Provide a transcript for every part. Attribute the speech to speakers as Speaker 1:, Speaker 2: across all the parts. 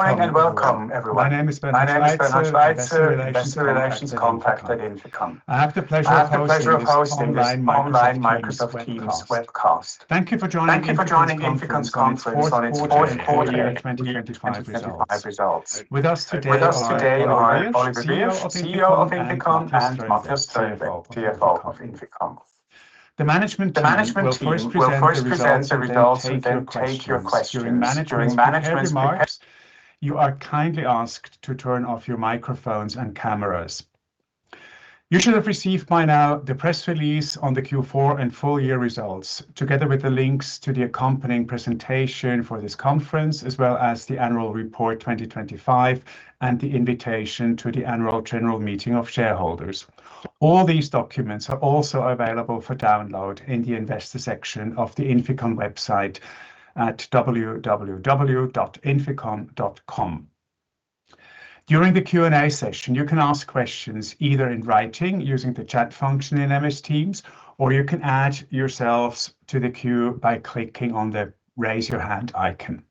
Speaker 1: Good morning and welcome, everyone. My name is Bernhard Schweizer, Investor Relations Contact at INFICON. I have the pleasure of hosting this online Microsoft Teams webcast. Thank you for joining INFICON's conference on its fourth quarter and full year 2025 results. With us today are Oliver Wyrsch, CEO of INFICON, and Matthias Tröndle, CFO of INFICON. The management team will first present the results and then take your questions. During management's prepared remarks, you are kindly asked to turn off your microphones and cameras. You should have received by now the press release on the Q4 and full year results, together with the links to the accompanying presentation for this conference, as well as the annual report 2025, and the invitation to the Annual General Meeting of Shareholders. All these documents are also available for download in the investor section of the INFICON website at www.inficon.com. During the Q&A session, you can ask questions either in writing using the chat function in MS Teams, or you can add yourselves to the queue by clicking on the Raise Your Hand icon.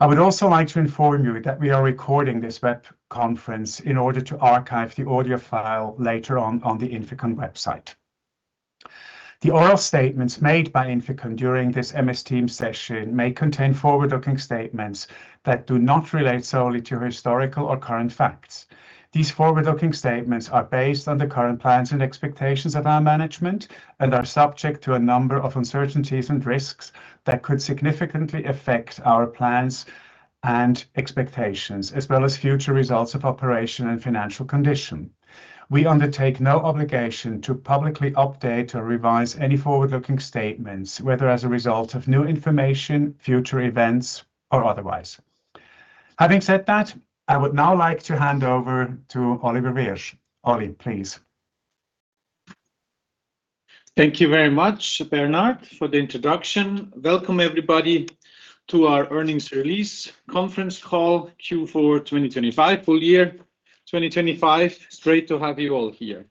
Speaker 1: I would also like to inform you that we are recording this web conference in order to archive the audio file later on on the INFICON website. The oral statements made by INFICON during this MS Teams session may contain forward-looking statements that do not relate solely to historical or current facts. These forward-looking statements are based on the current plans and expectations of our management and are subject to a number of uncertainties and risks that could significantly affect our plans and expectations, as well as future results of operation and financial condition. We undertake no obligation to publicly update or revise any forward-looking statements, whether as a result of new information, future events, or otherwise. Having said that, I would now like to hand over to Oliver Wyrsch. Oli, please.
Speaker 2: Thank you very much, Bernhard, for the introduction. Welcome, everybody, to our earnings release conference call Q4 2025, full year 2025. It's great to have you all here.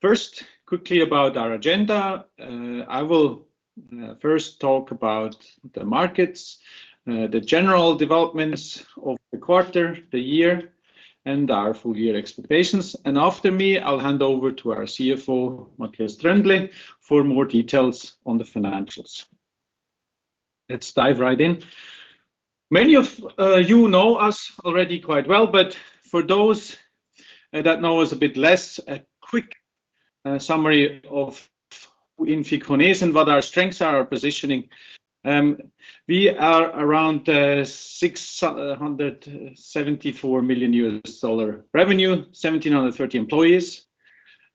Speaker 2: First, quickly about our agenda. I will first talk about the markets, the general developments of the quarter, the year, and our full year expectations. After me, I'll hand over to our CFO, Matthias Tröndle, for more details on the financials. Let's dive right in. Many of you know us already quite well, but for those that know us a bit less, a quick summary of who INFICON is and what our strengths are, our positioning. We are around $674 million revenue, 1,730 employees.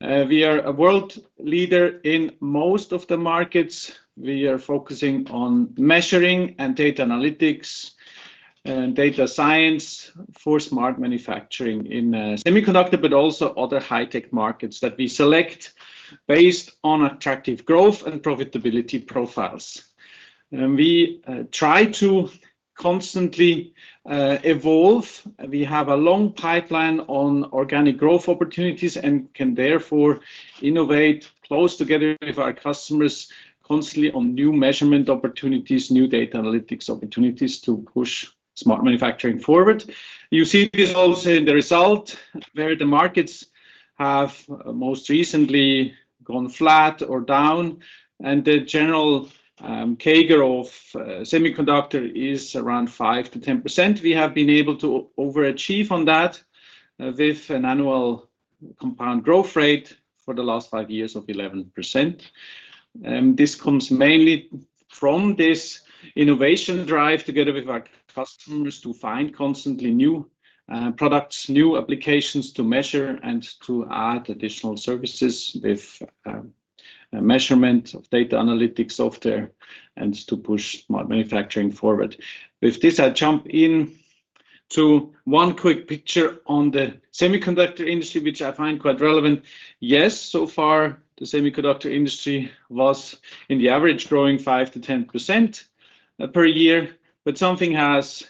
Speaker 2: We are a world leader in most of the markets. We are focusing on measuring and data analytics and data science for smart manufacturing in semiconductor, but also other high-tech markets that we select based on attractive growth and profitability profiles. We try to constantly evolve. We have a long pipeline on organic growth opportunities and can therefore innovate close together with our customers constantly on new measurement opportunities, new data analytics opportunities to push smart manufacturing forward. You see this also in the result where the markets have most recently gone flat or down, and the general CAGR of semiconductor is around 5%-10%. We have been able to overachieve on that with an annual compound growth rate for the last 5 years of 11%. This comes mainly from this innovation drive together with our customers to find constantly new products, new applications to measure and to add additional services with measurement of data analytics software and to push smart manufacturing forward. With this, I jump in to one quick picture on the semiconductor industry, which I find quite relevant. Yes, so far, the semiconductor industry was in the average growing 5%-10% per year, but something has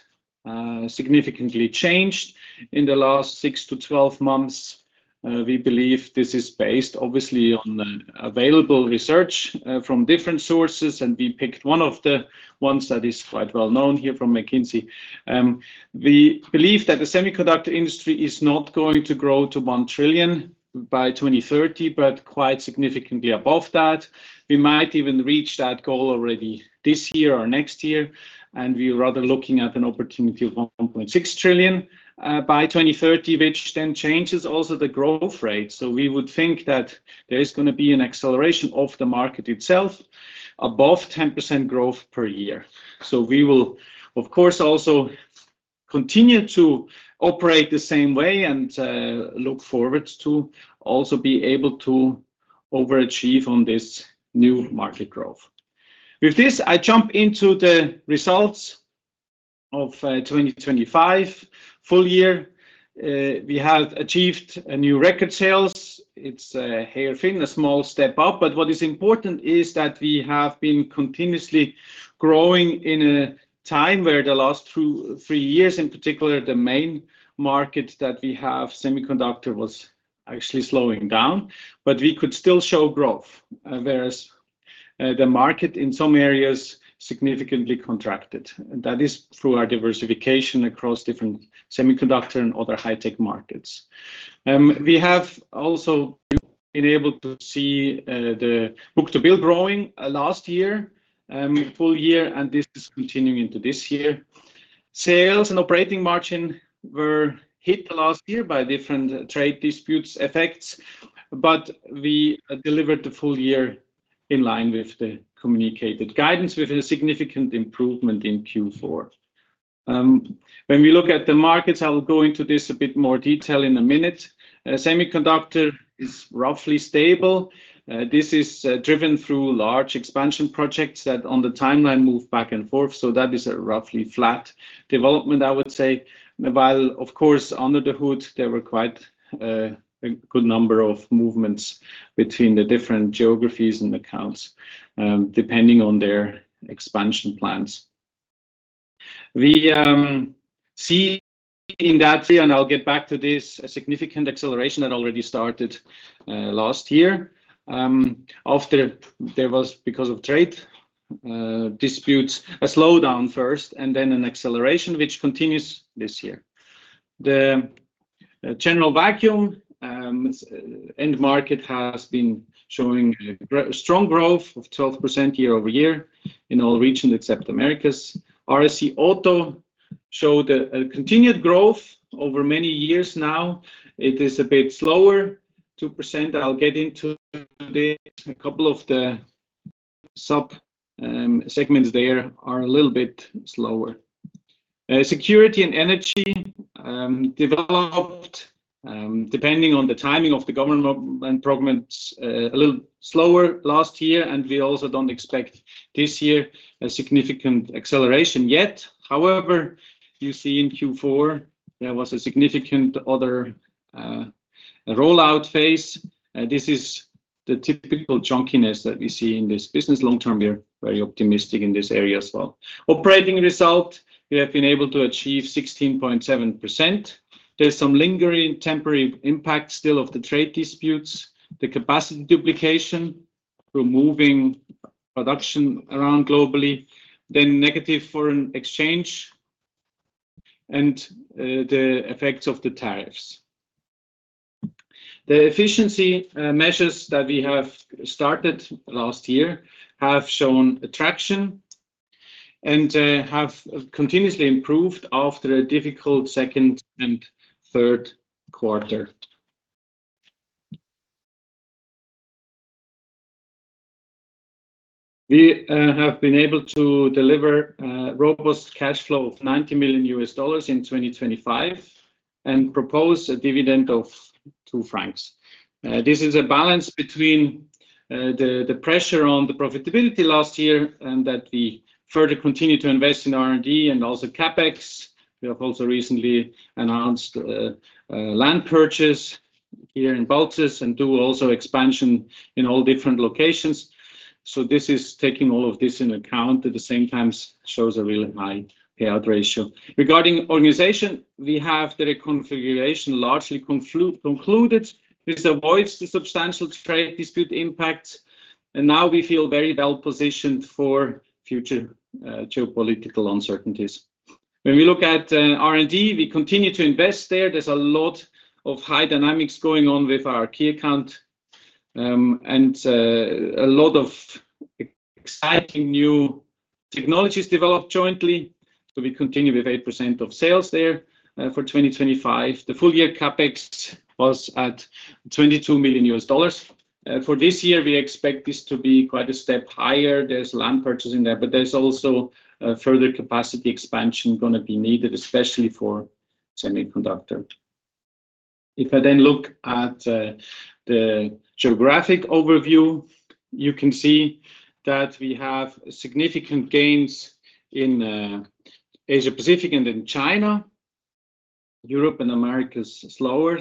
Speaker 2: significantly changed in the last 6-12 months. We believe this is based obviously on the available research from different sources, and we picked one of the ones that is quite well known here from McKinsey. We believe that the semiconductor industry is not going to grow to $1 trillion by 2030, but quite significantly above that. We might even reach that goal already this year or next year, and we're rather looking at an opportunity of 1.6 trillion by 2030, which then changes also the growth rate. We would think that there is gonna be an acceleration of the market itself above 10% growth per year. We will, of course, also continue to operate the same way and look forward to also be able to overachieve on this new market growth. With this, I jump into the results of 2025 full year. We have achieved a new record sales. It's a hair-thin, a small step up, but what is important is that we have been continuously growing in a time where the last two, three years, in particular, the main market that we have, semiconductor, was actually slowing down, but we could still show growth. Whereas the market in some areas significantly contracted. That is through our diversification across different semiconductor and other high-tech markets. We have also been able to see the book-to-bill growing last year full year, and this is continuing into this year. Sales and operating margin were hit last year by different trade disputes effects, but we delivered the full year in line with the communicated guidance, with a significant improvement in Q4. When we look at the markets, I will go into this a bit more detail in a minute. Semiconductor is roughly stable. This is driven through large expansion projects that on the timeline move back and forth. That is a roughly flat development, I would say. While of course, under the hood, there were quite a good number of movements between the different geographies and accounts, depending on their expansion plans. We see in that, and I'll get back to this, a significant acceleration that already started last year. After there was, because of trade disputes, a slowdown first and then an acceleration, which continues this year. The General Vacuum end market has been showing a strong growth of 12% year-over-year in all regions except Americas. RAC Auto showed a continued growth over many years now. It is a bit slower, 2%. I'll get into this. A couple of the sub segments there are a little bit slower. Security and energy developed, depending on the timing of the government programs, a little slower last year, and we also don't expect this year a significant acceleration yet. However, you see in Q4, there was a significant other rollout phase. This is the typical chunkiness that we see in this business. Long term, we're very optimistic in this area as well. Operating result, we have been able to achieve 16.7%. There's some lingering temporary impact still of the trade disputes, the capacity duplication, removing production around globally, then negative foreign exchange and the effects of the tariffs. The efficiency measures that we have started last year have shown traction and have continuously improved after a difficult second and third quarter. We have been able to deliver robust cash flow of $90 million in 2025 and propose a dividend of 2 francs. This is a balance between the pressure on the profitability last year and that we further continue to invest in R&D and also CapEx. We have also recently announced a land purchase here in Balzers and do also expansion in all different locations. This is taking all of this into account. At the same time, it shows a really high payout ratio. Regarding organization, we have the reconfiguration largely concluded, which avoids the substantial trade dispute impact. Now we feel very well positioned for future geopolitical uncertainties. When we look at R&D, we continue to invest there. There's a lot of high dynamics going on with our key account, and a lot of exciting new technologies developed jointly. We continue with 8% of sales there for 2025. The full year CapEx was at $22 million. For this year, we expect this to be quite a step higher. There's land purchasing there, but there's also further capacity expansion gonna be needed, especially for semiconductor. If I look at the geographic overview, you can see that we have significant gains in Asia-Pacific and in China. Europe and America is slower.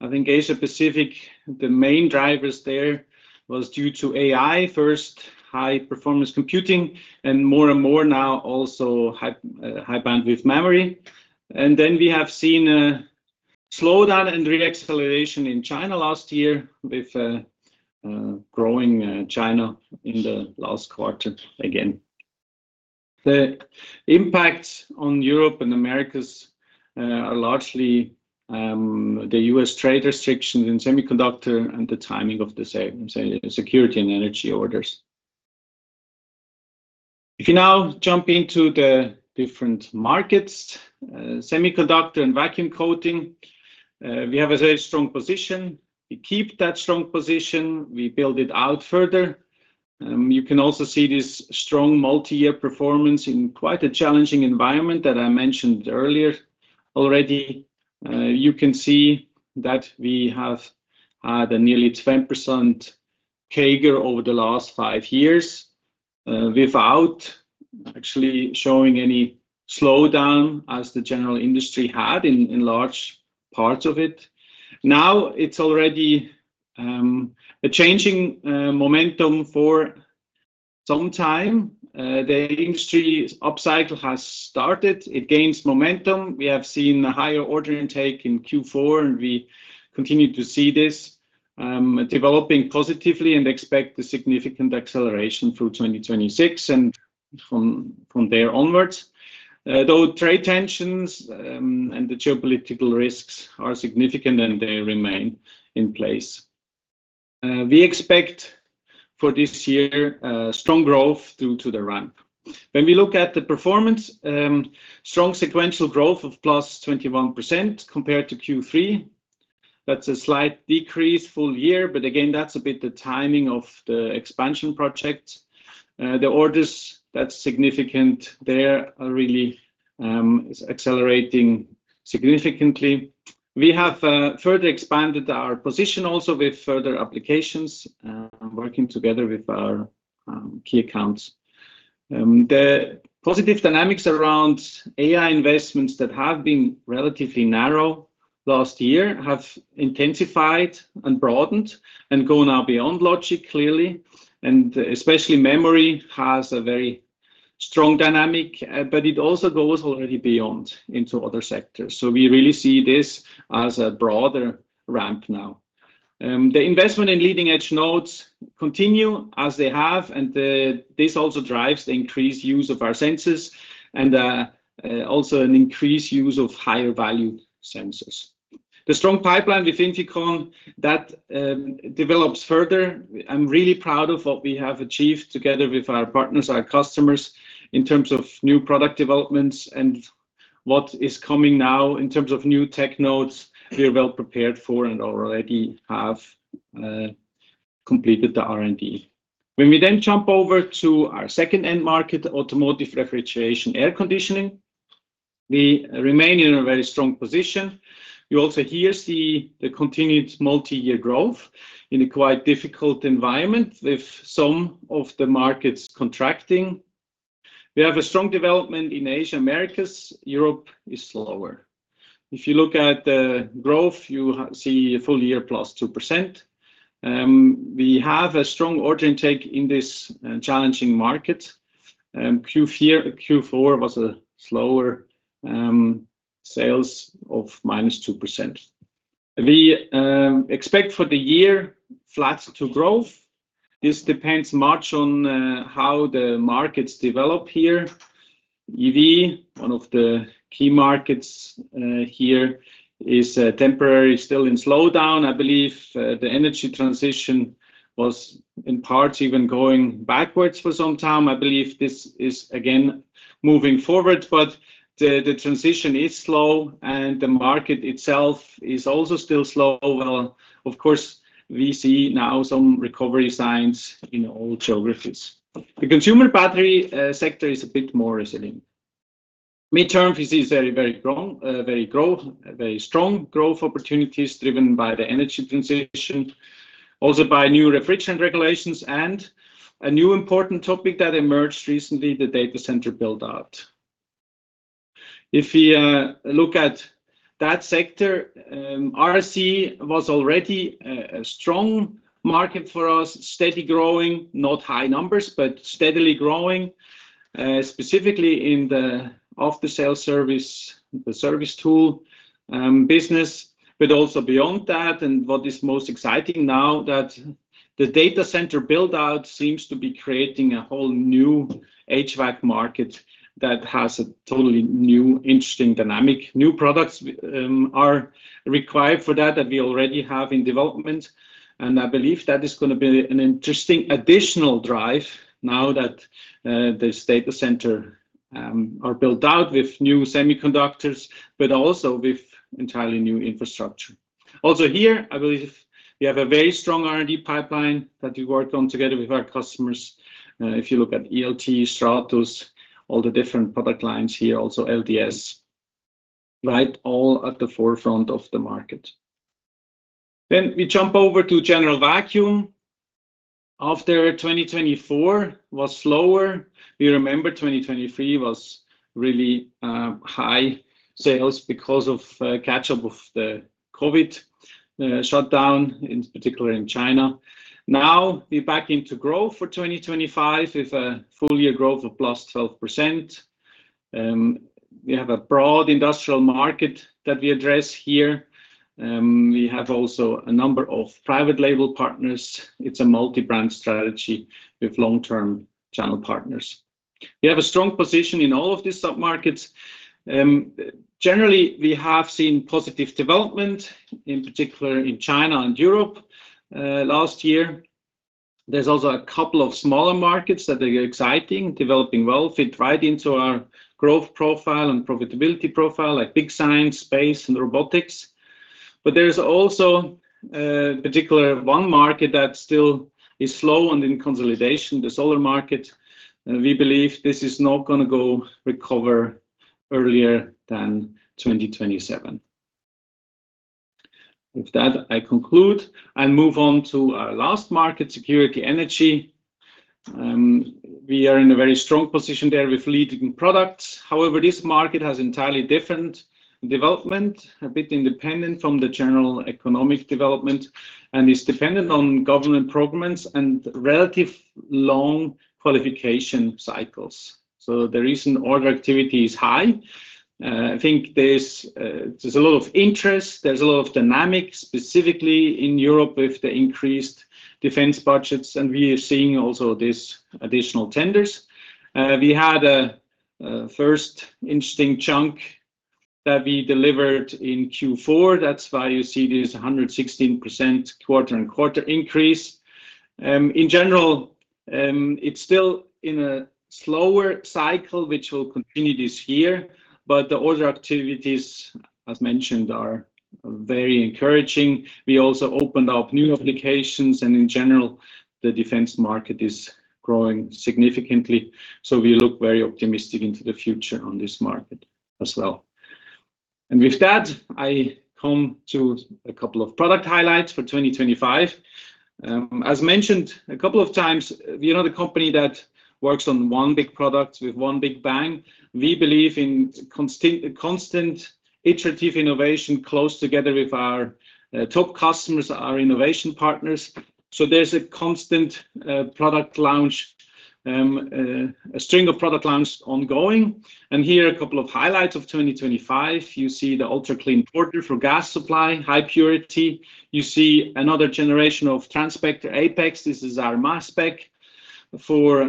Speaker 2: I think Asia-Pacific, the main drivers there was due to AI, first high-performance computing, and more and more now also high-bandwidth memory. We have seen a slowdown and re-acceleration in China last year with growing in China in the last quarter again. The impacts on Europe and Americas are largely the U.S. trade restrictions in semiconductor and the timing of the security and energy orders. If you now jump into the different markets, semiconductor and vacuum coating, we have a very strong position. We keep that strong position, we build it out further. You can also see this strong multi-year performance in quite a challenging environment that I mentioned earlier already. You can see that we have had a nearly 10% CAGR over the last 5 years without actually showing any slowdown as the general industry had in large parts of it. Now it's already a changing momentum for some time, the industry upcycle has started. It gains momentum. We have seen a higher order intake in Q4, and we continue to see this developing positively and expect a significant acceleration through 2026 and from there onwards. Though trade tensions and the geopolitical risks are significant, and they remain in place. We expect for this year strong growth due to the ramp. When we look at the performance, strong sequential growth of +21% compared to Q3. That's a slight decrease full year, but again, that's a bit the timing of the expansion project. The orders, that's significant. They are really accelerating significantly. We have further expanded our position also with further applications working together with our key accounts. The positive dynamics around AI investments that have been relatively narrow last year have intensified and broadened and go now beyond logic clearly, and especially memory has a very strong dynamic, but it also goes already beyond into other sectors. We really see this as a broader ramp now. The investment in leading-edge nodes continue as they have, and this also drives the increased use of our sensors and also an increased use of higher-value sensors. The strong pipeline with INFICON that develops further. I'm really proud of what we have achieved together with our partners, our customers, in terms of new product developments and what is coming now in terms of new tech nodes we are well prepared for and already have completed the R&D. When we then jump over to our second end market, automotive refrigeration, air conditioning, we remain in a very strong position. You also here see the continued multi-year growth in a quite difficult environment with some of the markets contracting. We have a strong development in Asia, Americas. Europe is slower. If you look at the growth, you see a full year +2%. We have a strong order intake in this challenging market. Q4 was a slower sales of -2%. We expect for the year flat to growth. This depends much on how the markets develop here. EV, one of the key markets, here is temporary still in slowdown. I believe the energy transition was in part even going backwards for some time. I believe this is again moving forward, but the transition is slow, and the market itself is also still slow. Well, of course, we see now some recovery signs in all geographies. The consumer battery sector is a bit more resilient. Midterm, we see very strong growth opportunities driven by the energy transition, also by new refrigerant regulations and a new important topic that emerged recently, the data center build-out. If we look at that sector, RAC was already a strong market for us, steady growing, not high numbers, but steadily growing, specifically in the after-sale service, the service tool business, but also beyond that. What is most exciting now that the data center build-out seems to be creating a whole new HVAC market that has a totally new interesting dynamic. New products are required for that we already have in development. I believe that is gonna be an interesting additional drive now that these data center are built out with new semiconductors, but also with entirely new infrastructure. Also here, I believe we have a very strong R&D pipeline that we work on together with our customers. If you look at ELT, Stratus, all the different product lines here, also LDS, right, all at the forefront of the market. We jump over to General Vacuum. After 2024 was slower, we remember 2023 was really high sales because of catch-up of the COVID shutdown, in particular in China. Now we're back into growth for 2025 with a full year growth of +12%. We have a broad industrial market that we address here. We have also a number of private label partners. It's a multi-brand strategy with long-term channel partners. We have a strong position in all of these submarkets. Generally, we have seen positive development, in particular in China and Europe, last year. There's also a couple of smaller markets that are exciting, developing well, fit right into our growth profile and profitability profile, like big science, space and robotics. There's also a particular one market that still is slow and in consolidation, the solar market. We believe this is not gonna go recover earlier than 2027. With that, I conclude and move on to our last market, security energy. We are in a very strong position there with leading products. However, this market has entirely different development, a bit independent from the general economic development, and is dependent on government programs and relative long qualification cycles. The recent order activity is high. I think there's there's a lot of interest, there's a lot of dynamics, specifically in Europe with the increased defense budgets, and we are seeing also these additional tenders. We had a first interesting chunk that we delivered in Q4. That's why you see this 116% quarter-on-quarter increase. In general, it's still in a slower cycle, which will continue this year, but the order activities, as mentioned, are very encouraging. We also opened up new applications, and in general, the defense market is growing significantly, so we look very optimistic into the future on this market as well. With that, I come to a couple of product highlights for 2025. As mentioned a couple of times, we are not a company that works on one big product with one big bang. We believe in constant iterative innovation close together with our top customers, our innovation partners, so there's a constant product launch, a string of product launch ongoing. Here, a couple of highlights of 2025. You see the UltraClean Porter for gas supply, high purity. You see another generation of Transpector APEX. This is our mass spec for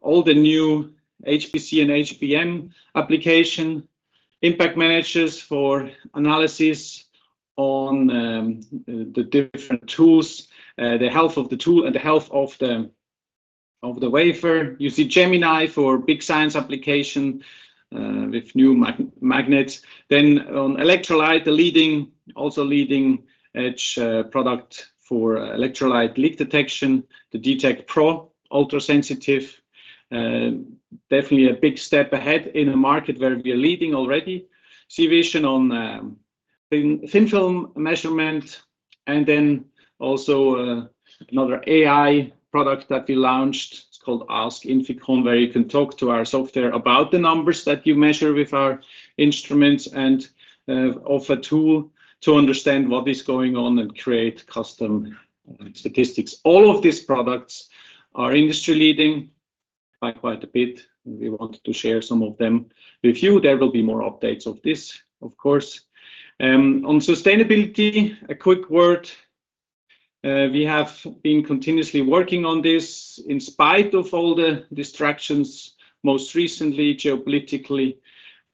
Speaker 2: all the new HPC and HBM application. Impact managers for analysis on the different tools, the health of the tool and the health of the wafer. You see Gemini for big science application, with new magnets. On electrolyte, the leading, also leading-edge product for electrolyte leak detection. The D-TEK Pro, ultra-sensitive. Definitely a big step ahead in a market where we are leading already. See vision on thin-film measurement, and then also another AI product that we launched. It's called Ask INFICON, where you can talk to our software about the numbers that you measure with our instruments and offer tool to understand what is going on and create custom statistics. All of these products are industry-leading by quite a bit, and we wanted to share some of them with you. There will be more updates of this, of course. On sustainability, a quick word. We have been continuously working on this in spite of all the distractions, most recently geopolitically,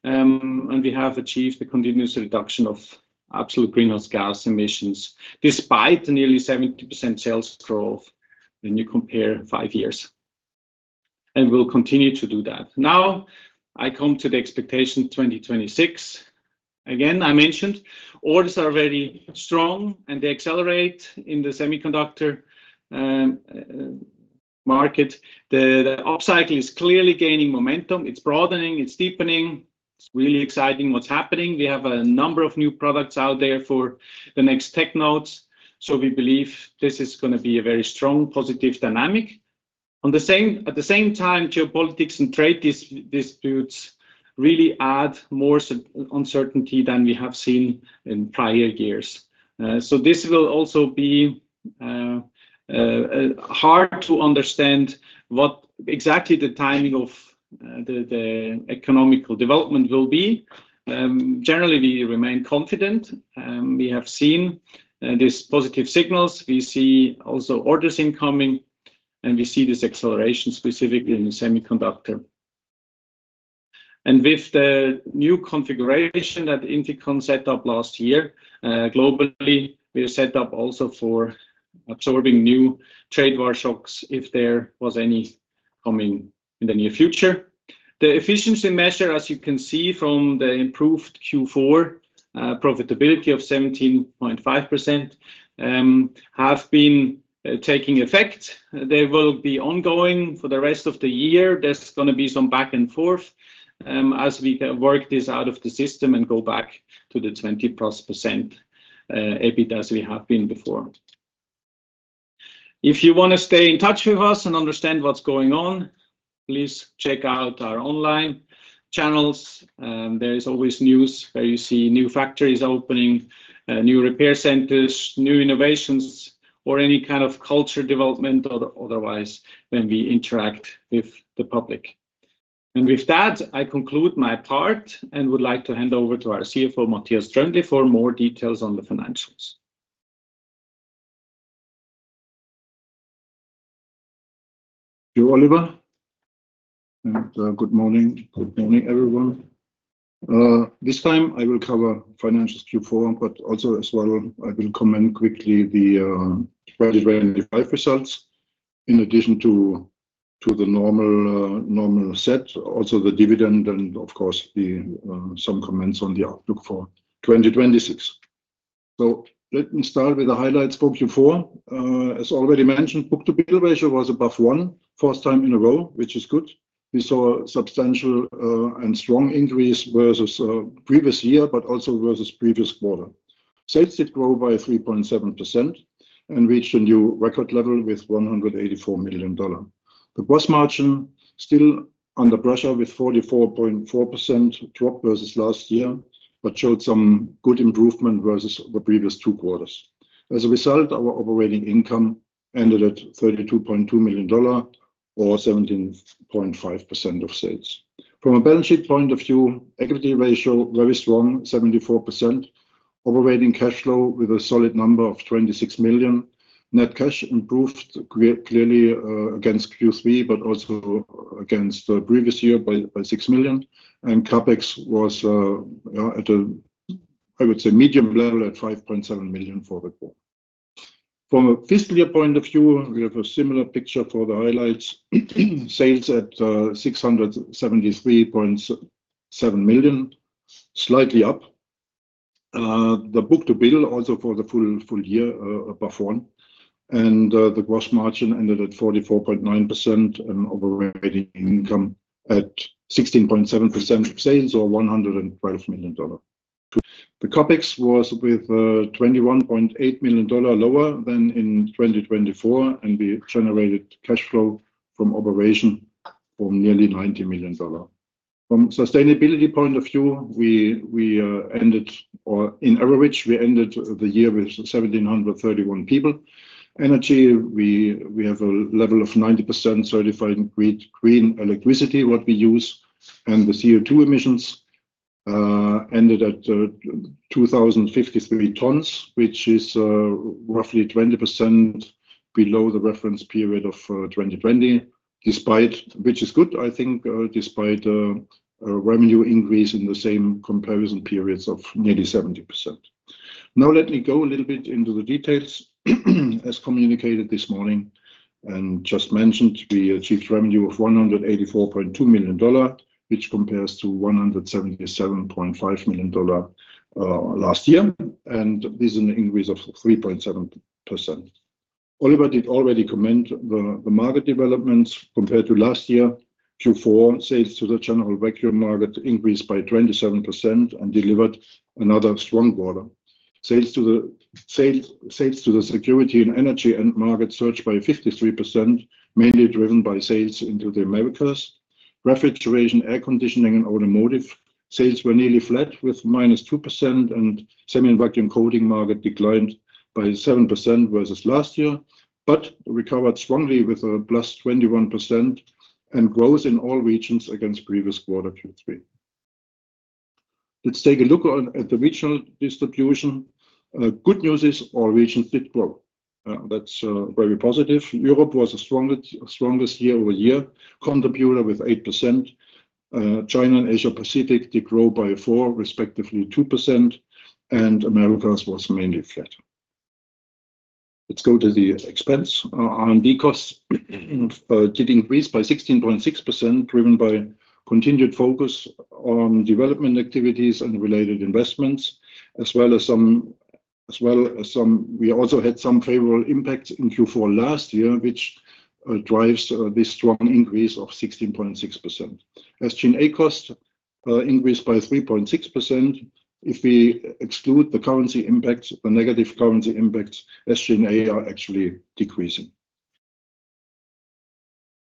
Speaker 2: and we have achieved the continuous reduction of absolute greenhouse gas emissions, despite the nearly 70% sales growth when you compare five years. We'll continue to do that. Now, I come to the expectation 2026. Again, I mentioned orders are very strong, and they accelerate in the semiconductor market. The up cycle is clearly gaining momentum. It's broadening. It's deepening. It's really exciting what's happening. We have a number of new products out there for the next tech nodes, so we believe this is gonna be a very strong positive dynamic. At the same time, geopolitics and trade disputes really add more uncertainty than we have seen in prior years. So this will also be hard to understand what exactly the timing of the economic development will be. Generally, we remain confident. We have seen these positive signals. We see also orders incoming, and we see this acceleration specifically in the semiconductor. With the new configuration that INFICON set up last year, globally, we are set up also for absorbing new trade war shocks if there was any coming in the near future. The efficiency measure, as you can see from the improved Q4 profitability of 17.5%, have been taking effect. They will be ongoing for the rest of the year. There's gonna be some back and forth, as we work this out of the system and go back to the 20%+ EBIT as we have been before. If you wanna stay in touch with us and understand what's going on, please check out our online channels. There is always news where you see new factories opening, new repair centers, new innovations, or any kind of culture development otherwise when we interact with the public. With that, I conclude my part and would like to hand over to our CFO, Matthias Tröndle, for more details on the financials.
Speaker 3: Thank you, Oliver, and good morning, everyone. This time, I will cover financials Q4, but also, I will comment quickly the 2025 results in addition to the normal set, also the dividend and of course some comments on the outlook for 2026. Let me start with the highlights for Q4. As already mentioned, book-to-bill ratio was above one first time in a row, which is good. We saw substantial and strong increase versus previous year, but also versus previous quarter. Sales did grow by 3.7% and reached a new record level with $184 million. The gross margin still under pressure with 44.4% drop versus last year, but showed some good improvement versus the previous two quarters. As a result, our operating income ended at $32.2 million or 17.5% of sales. From a balance sheet point of view, equity ratio very strong, 74%. Operating cash flow with a solid number of $26 million. Net cash improved clearly against Q3, but also against the previous year by $6 million. CapEx was, you know, I would say at a medium level at $5.7 million for the quarter. From a fiscal year point of view, we have a similar picture for the highlights. Sales at $673.7 million, slightly up. The book-to-bill also for the full year above one, and the gross margin ended at 44.9% and operating income at 16.7% of sales or $112 million. The CapEx was $21.8 million lower than in 2024, and we generated cash flow from operations of nearly $90 million. From sustainability point of view, we ended, on average, the year with 1,731 people. Energy, we have a level of 90% certified green electricity, what we use. The CO2 emissions ended at 2,053 tons, which is roughly 20% below the reference period of 2020. Which is good, I think, despite a revenue increase in the same comparison periods of nearly 70%. Now let me go a little bit into the details as communicated this morning and just mentioned, we achieved revenue of $184.2 million, which compares to $177.5 million last year. This is an increase of 3.7%. Oliver did already comment on the market developments compared to last year. Q4 sales to the General Vacuum market increased by 27% and delivered another strong quarter. Sales to the security and energy end market surged by 53%, mainly driven by sales into the Americas. Refrigeration, air conditioning, and automotive sales were nearly flat with -2%, and semiconductor vacuum coating market declined by 7% versus last year, but recovered strongly with a +21% and growth in all regions against previous quarter Q3. Let's take a look at the regional distribution. Good news is all regions did grow. That's very positive. Europe was the strongest year-over-year contributor with 8%. China and Asia Pacific did grow by 4%, respectively 2%, and Americas was mainly flat. Let's go to the expenses. R&D costs did increase by 16.6%, driven by continued focus on development activities and related investments, as well as some. We also had some favorable impacts in Q4 last year, which drives this strong increase of 16.6%. SG&A costs increased by 3.6%. If we exclude the negative currency impacts, SG&A are actually decreasing.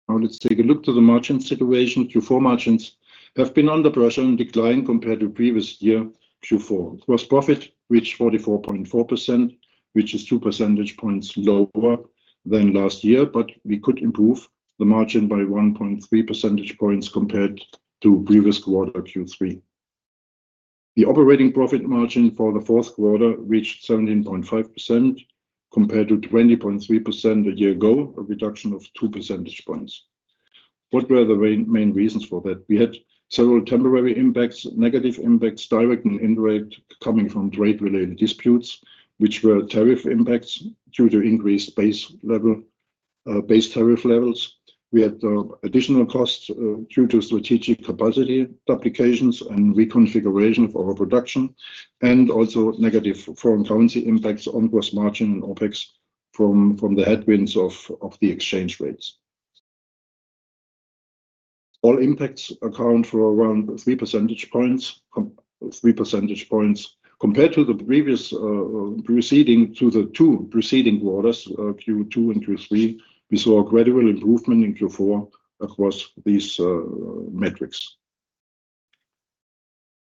Speaker 3: Now let's take a look at the margin situation. Q4 margins have been under pressure and decline compared to previous year Q4. Gross profit reached 44.4%, which is 2 percentage points lower than last year, but we could improve the margin by 1.3 percentage points compared to previous quarter Q3. The operating profit margin for the fourth quarter reached 17.5% compared to 20.3% a year ago, a reduction of 2 percentage points. What were the main reasons for that? We had several temporary impacts, negative impacts, direct and indirect, coming from trade-related disputes, which were tariff impacts due to increased base level, base tariff levels. We had additional costs due to strategic capacity duplications and reconfiguration of our production, and also negative foreign currency impacts on gross margin and OpEx from the headwinds of the exchange rates. All impacts account for around 3 percentage points. Compared to the two preceding quarters, Q2 and Q3, we saw a gradual improvement in Q4 across these metrics.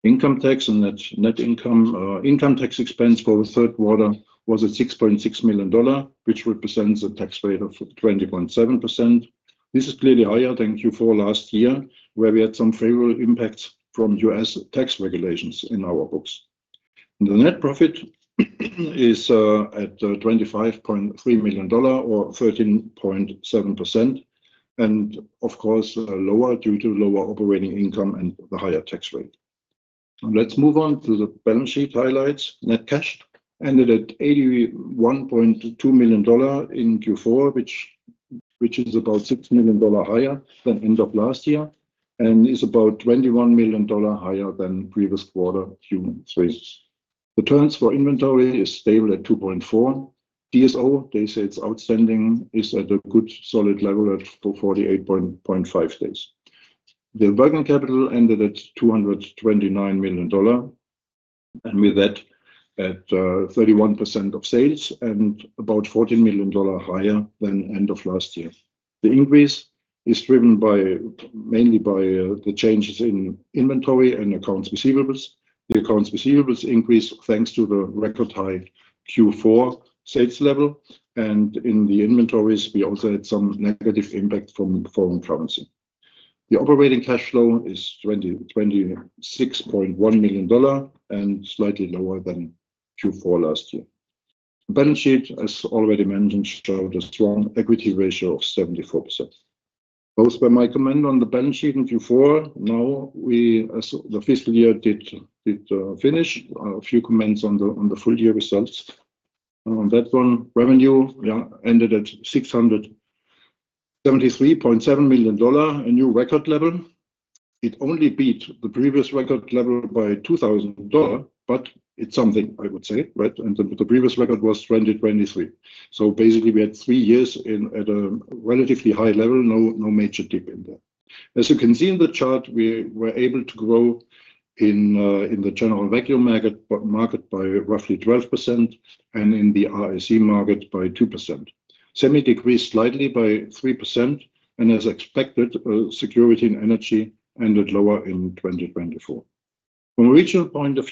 Speaker 3: Income tax and net income. Income tax expense for the third quarter was at $6.6 million, which represents a tax rate of 20.7%. This is clearly higher than Q4 last year, where we had some favorable impacts from U.S. tax regulations in our books. The net profit is at $25.3 million or 13.7%, and of course, lower due to lower operating income and the higher tax rate. Let's move on to the balance sheet highlights. Net cash ended at $81.2 million in Q4, which is about $6 million higher than end of last year and is about $21 million higher than previous quarter, Q3. The turns for inventory is stable at 2.4. DSO, they say it's outstanding, is at a good solid level at 48.5 days. The working capital ended at $229 million and with that at 31% of sales and about $14 million higher than end of last year. The increase is driven mainly by the changes in inventory and accounts receivables. The accounts receivables increase thanks to the record high Q4 sales level and in the inventories we also had some negative impact from foreign currency. The operating cash flow is $26.1 million and slightly lower than Q4 last year. Balance sheet, as already mentioned, showed a strong equity ratio of 74%. Both by my comment on the balance sheet in Q4, now we, as the fiscal year did finish, a few comments on the full year results. Revenue ended at $673.7 million, a new record level. It only beat the previous record level by $2,000, but it's something I would say, right? The previous record was 2023. Basically we had 3 years in a row at a relatively high level, no major dip in there. As you can see in the chart, we were able to grow in the general vacuum market by roughly 12% and in the RAC market by 2%. Semi decreased slightly by 3% and as expected, security and energy ended lower in 2024. From a regional point of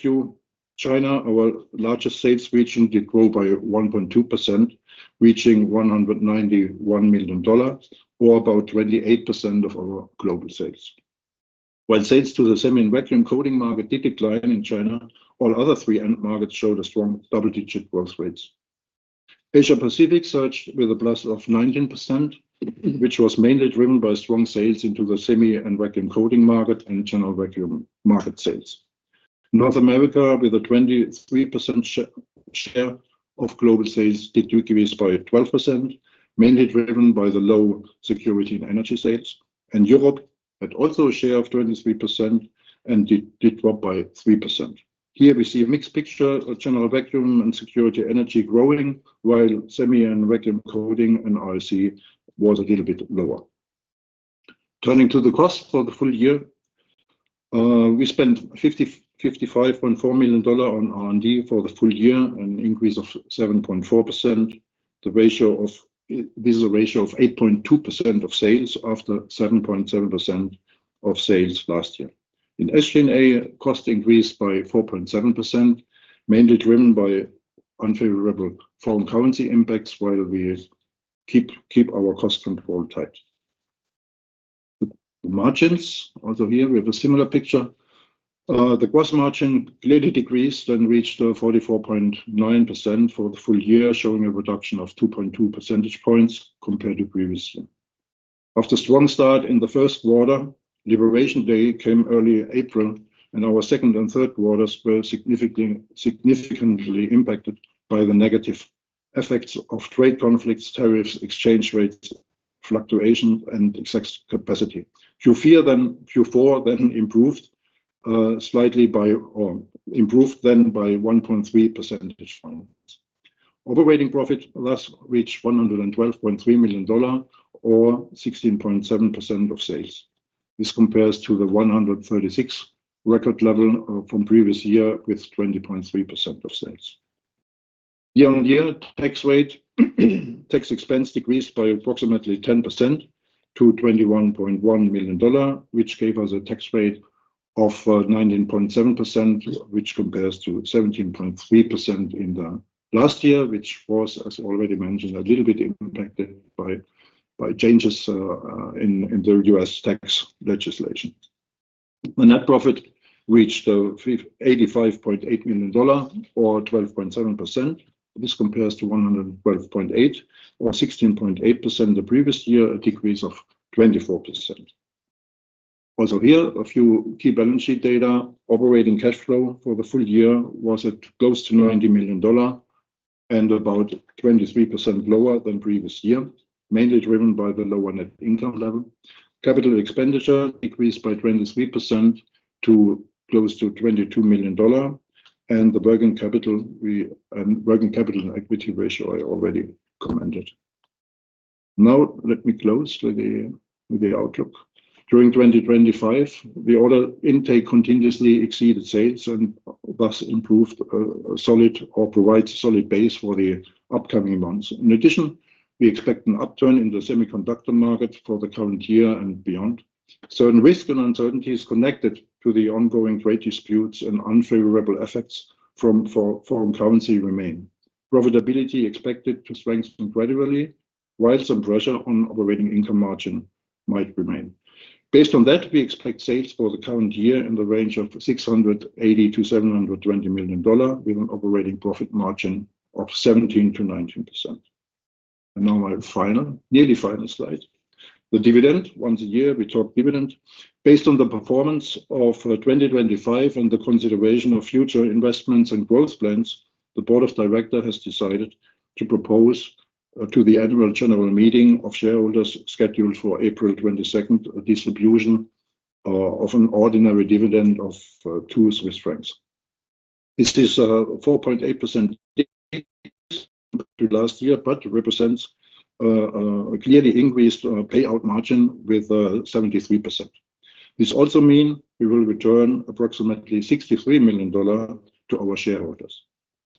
Speaker 3: view, China, our largest sales region, did grow by 1.2%, reaching $191 million or about 28% of our global sales. While sales to the semi and vacuum coating market did decline in China, all other three end markets showed a strong double-digit growth rates. Asia Pacific surged with a +19%, which was mainly driven by strong sales into the semi and vacuum coating market and general vacuum market sales. North America, with a 23% share of global sales, did decrease by 12%, mainly driven by the low security and energy sales. Europe had also a share of 23% and did drop by 3%. Here we see a mixed picture of general vacuum and security energy growing, while semi and vacuum coating and RAC was a little bit lower. Turning to the cost for the full year, we spent $55.4 million on R&D for the full year, an increase of 7.4%. This is a ratio of 8.2% of sales after 7.7% of sales last year. In SG&A, cost increased by 4.7%, mainly driven by unfavorable foreign currency impacts, while we keep our cost control tight. The margins, also here we have a similar picture. The gross margin slightly decreased and reached 44.9% for the full year, showing a reduction of 2.2 percentage points compared to previous year. After strong start in the first quarter, Liberation Day came early April, and our second and third quarters were significantly impacted by the negative effects of trade conflicts, tariffs, exchange rates, fluctuation, and excess capacity. Q4 then improved then by 1.3 percentage points. Operating profit thus reached $112.3 million or 16.7% of sales. This compares to the 136 record level from previous year with 20.3% of sales. The year-on-year tax expense decreased by approximately 10% to $21.1 million, which gave us a tax rate of 19.7%, which compares to 17.3% in the last year, which was, as already mentioned, a little bit impacted by changes in the U.S. tax legislation. The net profit reached $85.8 million or 12.7%. This compares to 112.8 or 16.8% the previous year, a decrease of 24%. Also here, a few key balance sheet data. Operating cash flow for the full year was close to $90 million and about 23% lower than previous year, mainly driven by the lower net income level. Capital expenditure decreased by 23% to close to $22 million. The working capital and equity ratio I already commented. Now let me close with the outlook. During 2025, the order intake continuously exceeded sales and thus improved a solid base for the upcoming months. In addition, we expect an upturn in the semiconductor market for the current year and beyond. Certain risk and uncertainties connected to the ongoing trade disputes and unfavorable effects from foreign currency remain. Profitability expected to strengthen gradually, while some pressure on operating income margin might remain. Based on that, we expect sales for the current year in the range of $680 million-$720 million, with an operating profit margin of 17%-19%. Now my final, nearly final slide. The dividend, once a year we talk dividend. Based on the performance of 2025 and the consideration of future investments and growth plans, the board of director has decided to propose to the annual general meeting of shareholders scheduled for April 22, a distribution of an ordinary dividend of 2 Swiss francs. This is 4.8% last year, but represents a clearly increased payout margin with 73%. This also mean we will return approximately $63 million to our shareholders.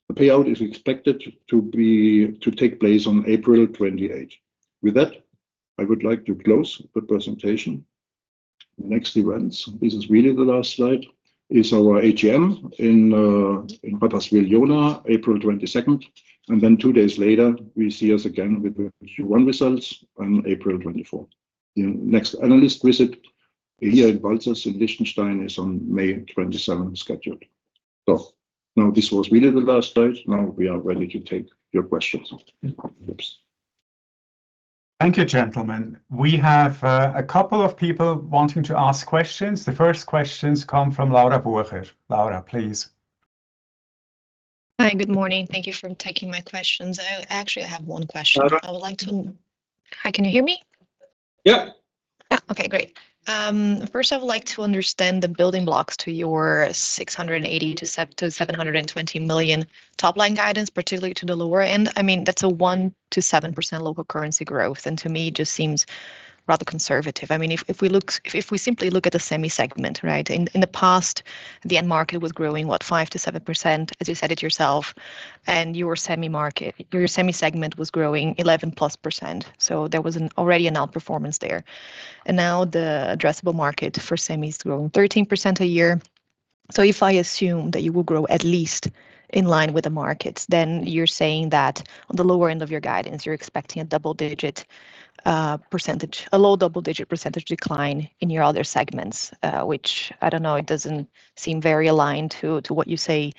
Speaker 3: The payout is expected to take place on April 28. With that, I would like to close the presentation. Next events, this is really the last slide, is our AGM in Rapperswil, Jona, April 22. Then two days later we see us again with the Q1 results on April 24. The next analyst visit here in Balzers in Liechtenstein is scheduled on May 27. Now this was really the last slide. Now we are ready to take your questions. Oops.
Speaker 1: Thank you, gentlemen. We have a couple of people wanting to ask questions. The first questions come from Laura Bücher. Laura, please.
Speaker 4: Hi. Good morning. Thank you for taking my questions. I actually have one question.
Speaker 2: Laura?
Speaker 4: Hi, can you hear me?
Speaker 2: Yeah.
Speaker 4: Okay, great. First I would like to understand the building blocks to your 680-720 million top-line guidance, particularly to the lower end. I mean, that's a 1%-7% local currency growth, and to me it just seems rather conservative. I mean, if we simply look at the semi segment, right? In the past the end market was growing 5%-7%, as you said yourself, and your semi segment was growing 11%+. So there was already an outperformance there. Now the addressable market for semi is growing 13% a year. If I assume that you will grow at least in line with the markets, then you're saying that on the lower end of your guidance, you're expecting a double-digit %, a low double-digit % decline in your other segments. Which, I don't know, it doesn't seem very aligned to what you say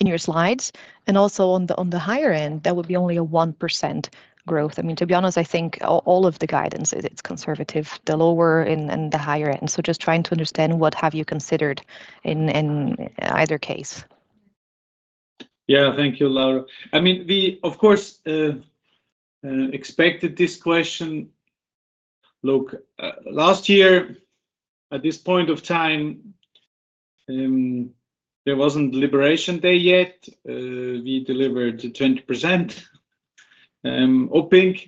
Speaker 4: in your slides. Also on the higher end, that would be only a 1% growth. I mean, to be honest, I think all of the guidance is conservative, the lower and the higher end. Just trying to understand what have you considered in either case.
Speaker 2: Yeah. Thank you, Laura. I mean, we, of course, expected this question. Look, last year at this point of time, there wasn't Liberation Day yet. We delivered 20% OPING,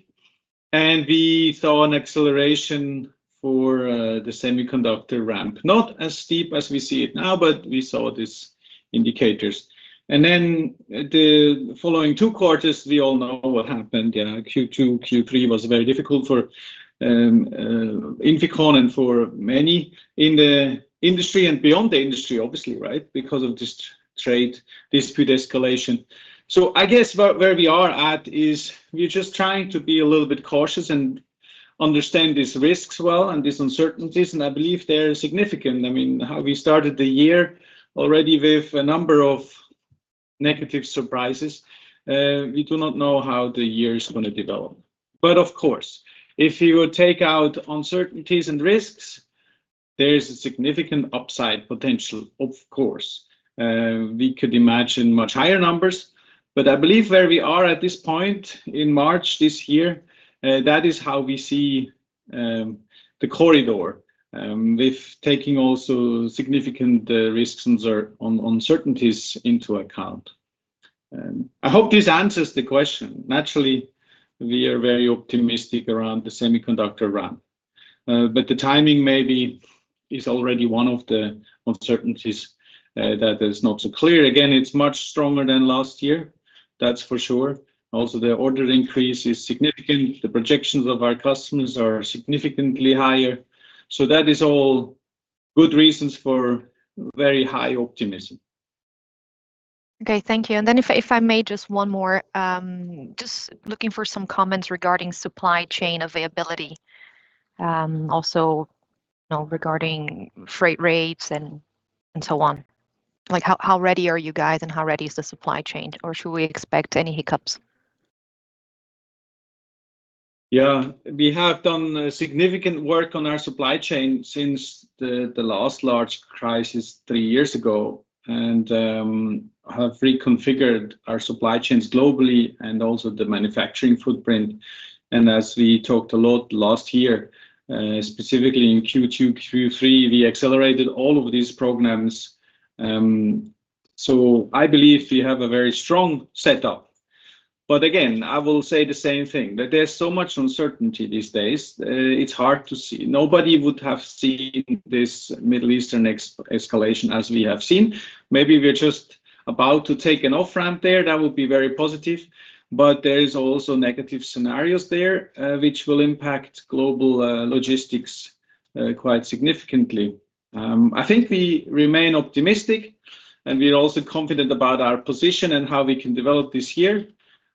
Speaker 2: and we saw an acceleration for the semiconductor ramp. Not as steep as we see it now, but we saw these indicators. The following two quarters, we all know what happened. You know, Q2, Q3 was very difficult for INFICON and for many in the industry and beyond the industry, obviously, right? Because of this trade dispute escalation. I guess where we are at is we're just trying to be a little bit cautious and understand these risks well and these uncertainties, and I believe they're significant. I mean, how we started the year already with a number of negative surprises, we do not know how the year is gonna develop. Of course, if you take out uncertainties and risks, there is a significant upside potential of course. We could imagine much higher numbers, but I believe where we are at this point in March this year, that is how we see the corridor, with taking also significant risks and uncertainties into account. I hope this answers the question. Naturally, we are very optimistic around the semiconductor ramp. The timing maybe is already one of the uncertainties that is not so clear. Again, it's much stronger than last year, that's for sure. Also, the order increase is significant. The projections of our customers are significantly higher. That is all good reasons for very high optimism.
Speaker 4: Okay. Thank you. If I may, just one more. Just looking for some comments regarding supply chain availability. Also, you know, regarding freight rates and so on. Like how ready are you guys and how ready is the supply chain or should we expect any hiccups?
Speaker 2: Yeah. We have done significant work on our supply chain since the last large crisis three years ago and have reconfigured our supply chains globally and also the manufacturing footprint. As we talked a lot last year, specifically in Q2, Q3, we accelerated all of these programs. I believe we have a very strong setup. Again, I will say the same thing, that there's so much uncertainty these days, it's hard to see. Nobody would have seen this Middle Eastern escalation as we have seen. Maybe we're just about to take an off-ramp there. That would be very positive. There is also negative scenarios there, which will impact global logistics quite significantly. I think we remain optimistic, and we're also confident about our position and how we can develop this year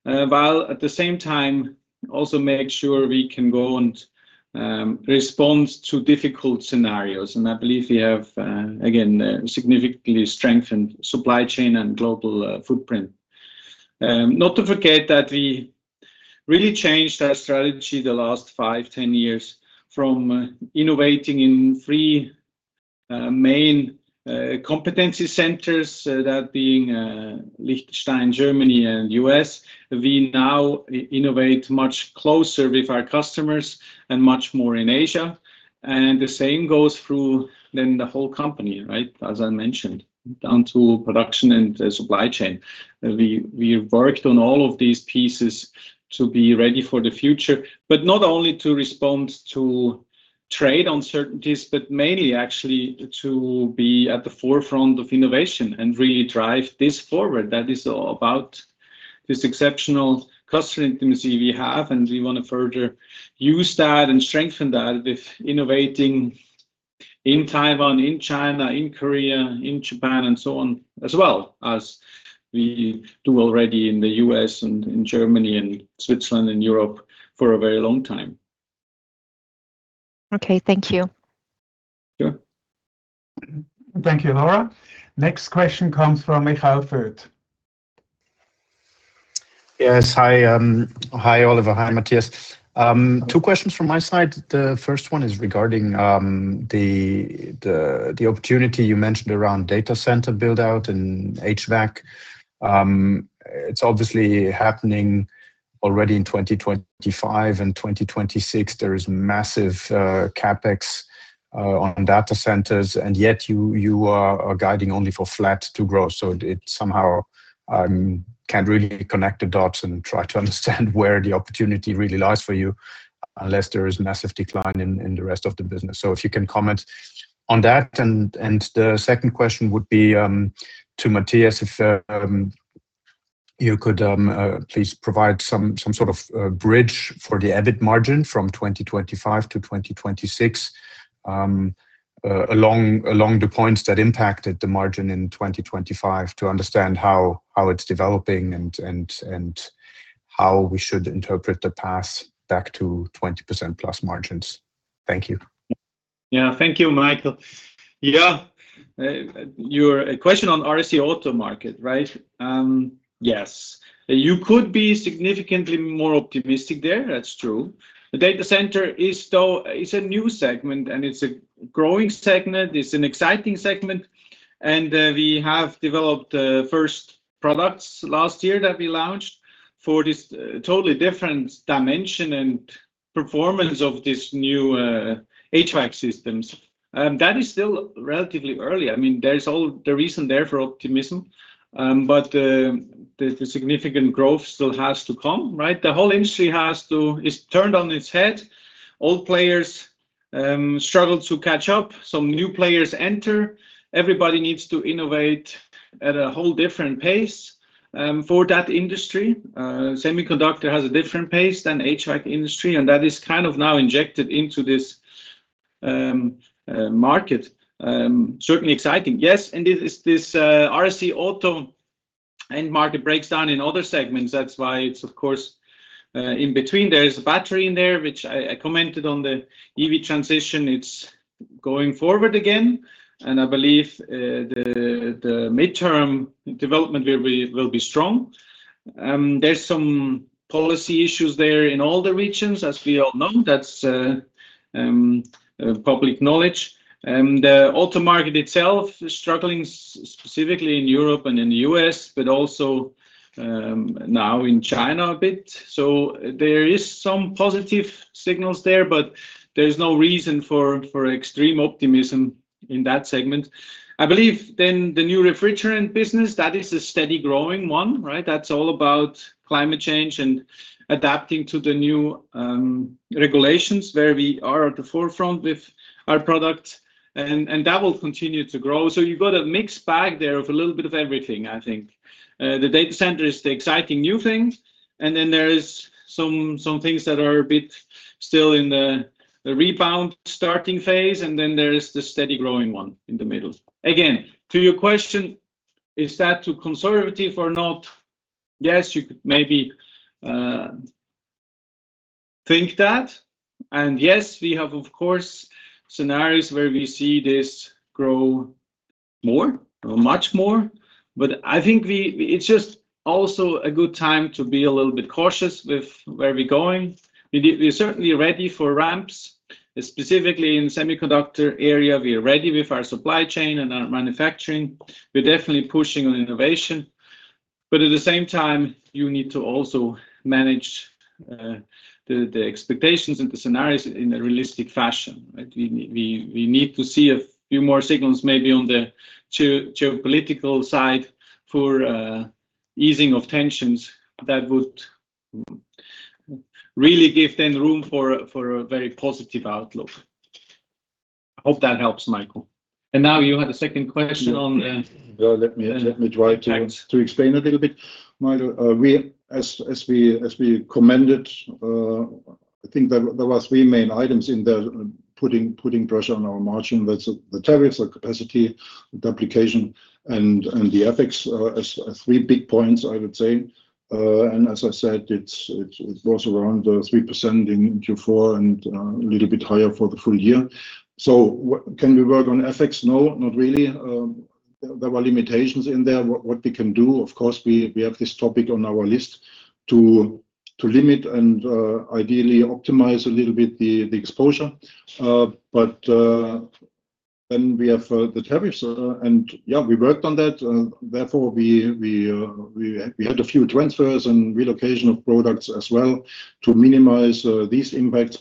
Speaker 2: while at the same time also make sure we can go and respond to difficult scenarios. I believe we have again a significantly strengthened supply chain and global footprint. Not to forget that we really changed our strategy the last 5, 10 years from innovating in 3 main competency centers that being Liechtenstein, Germany, and U.S. We now innovate much closer with our customers and much more in Asia. The same goes through then the whole company, right? As I mentioned, down to production and the supply chain. We worked on all of these pieces to be ready for the future, but not only to respond to trade uncertainties, but mainly actually to be at the forefront of innovation and really drive this forward. That is all about this exceptional customer intimacy we have, and we wanna further use that and strengthen that with innovating in Taiwan, in China, in Korea, in Japan and so on, as well as we do already in the U.S. and in Germany and Switzerland and Europe for a very long time.
Speaker 4: Okay. Thank you.
Speaker 2: Sure.
Speaker 1: Thank you, Laura. Next question comes from Michael Foeth.
Speaker 5: Yes. Hi, Oliver, hi Matthias. Two questions from my side. The first one is regarding the opportunity you mentioned around data center build-out and HVAC. It's obviously happening already in 2025 and 2026. There is massive CapEx on data centers, and yet you are guiding only for flat to grow. It somehow can't really connect the dots and try to understand where the opportunity really lies for you, unless there is massive decline in the rest of the business. If you can comment on that. The second question would be to Matthias, if you could please provide some sort of bridge for the EBIT margin from 2025 to 2026, along the points that impacted the margin in 2025 to understand how it's developing and how we should interpret the path back to 20%+ margins. Thank you.
Speaker 2: Thank you, Michael. Yeah, your question on the RAC auto market, right? Yes. You could be significantly more optimistic there. That's true. The data center, though, is a new segment and it's a growing segment. It's an exciting segment. We have developed the first products last year that we launched for this totally different dimension and performance of these new HVAC systems. That is still relatively early. I mean, there is every reason there for optimism, but the significant growth still has to come, right? The whole industry has to. It's turned on its head. Old players struggle to catch up. Some new players enter. Everybody needs to innovate at a whole different pace for that industry. Semiconductor has a different pace than HVAC industry, and that is kind of now injected into this market. Certainly exciting. Yes, RAC auto end market breaks down in other segments. That's why it's of course in between. There is a battery in there, which I commented on the EV transition. It's going forward again, and I believe the midterm development will be strong. There's some policy issues there in all the regions, as we all know. That's public knowledge. The auto market itself is struggling specifically in Europe and in the U.S., but also now in China a bit. There is some positive signals there, but there's no reason for extreme optimism in that segment. I believe then the new refrigerant business, that is a steady growing one, right? That's all about climate change and adapting to the new regulations where we are at the forefront with our product, and that will continue to grow. You've got a mixed bag there of a little bit of everything, I think. The data center is the exciting new thing, and then there is some things that are a bit still in the rebound starting phase, and then there is the steady growing one in the middle. Again, to your question, is that too conservative or not? Yes, you could maybe think that. Yes, we have, of course, scenarios where we see this grow more or much more, but I think it's just also a good time to be a little bit cautious with where we're going. We're certainly ready for ramps, specifically in semiconductor area. We are ready with our supply chain and our manufacturing. We're definitely pushing on innovation. At the same time, you need to also manage the expectations and the scenarios in a realistic fashion, right? We need to see a few more signals maybe on the geopolitical side for easing of tensions that would really give then room for a very positive outlook. I hope that helps, Michael. Now you had a second question on the-
Speaker 3: Well, let me-
Speaker 2: Yeah.
Speaker 3: Let me try to-
Speaker 2: Thanks...
Speaker 3: to explain a little bit. Michael, as we commented, I think there was three main items in the putting pressure on our margin. That's the tariffs, the capacity, the application, and the FX as three big points, I would say. As I said, it was around 3% in Q4 and a little bit higher for the full year. Can we work on FX? No. Not really. There were limitations in there what we can do. Of course, we have this topic on our list to limit and ideally optimize a little bit the exposure. Then we have the tariffs. Yeah, we worked on that. Therefore we had a few transfers and relocation of products as well to minimize these impacts.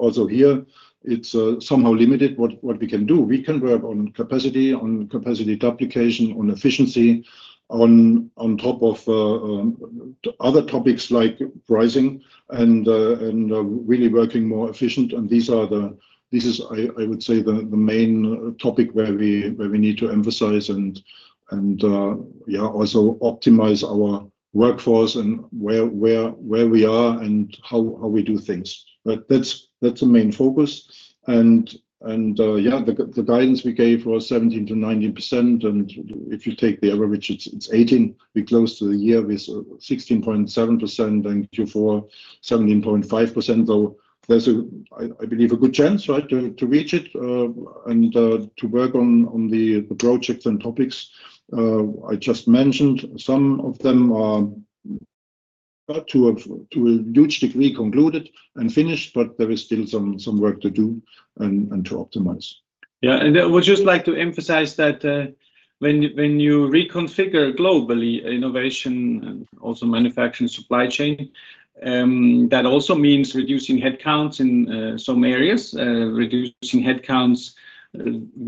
Speaker 3: Also here, it's somehow limited what we can do. We can work on capacity duplication, on efficiency, on top of other topics like pricing and really working more efficient. This is, I would say, the main topic where we need to emphasize and yeah, also optimize our workforce and where we are and how we do things. That's the main focus. Yeah, the guidance we gave was 17%-19%, and if you take the average, it's 18. We're close to the year with 16.7%, in Q4 17.5%. I believe there's a good chance, right, to reach it and to work on the projects and topics I just mentioned. Some of them are to a huge degree concluded and finished, but there is still some work to do and to optimize.
Speaker 2: I would just like to emphasize that when you reconfigure globally innovation and also manufacturing supply chain, that also means reducing headcounts in some areas. We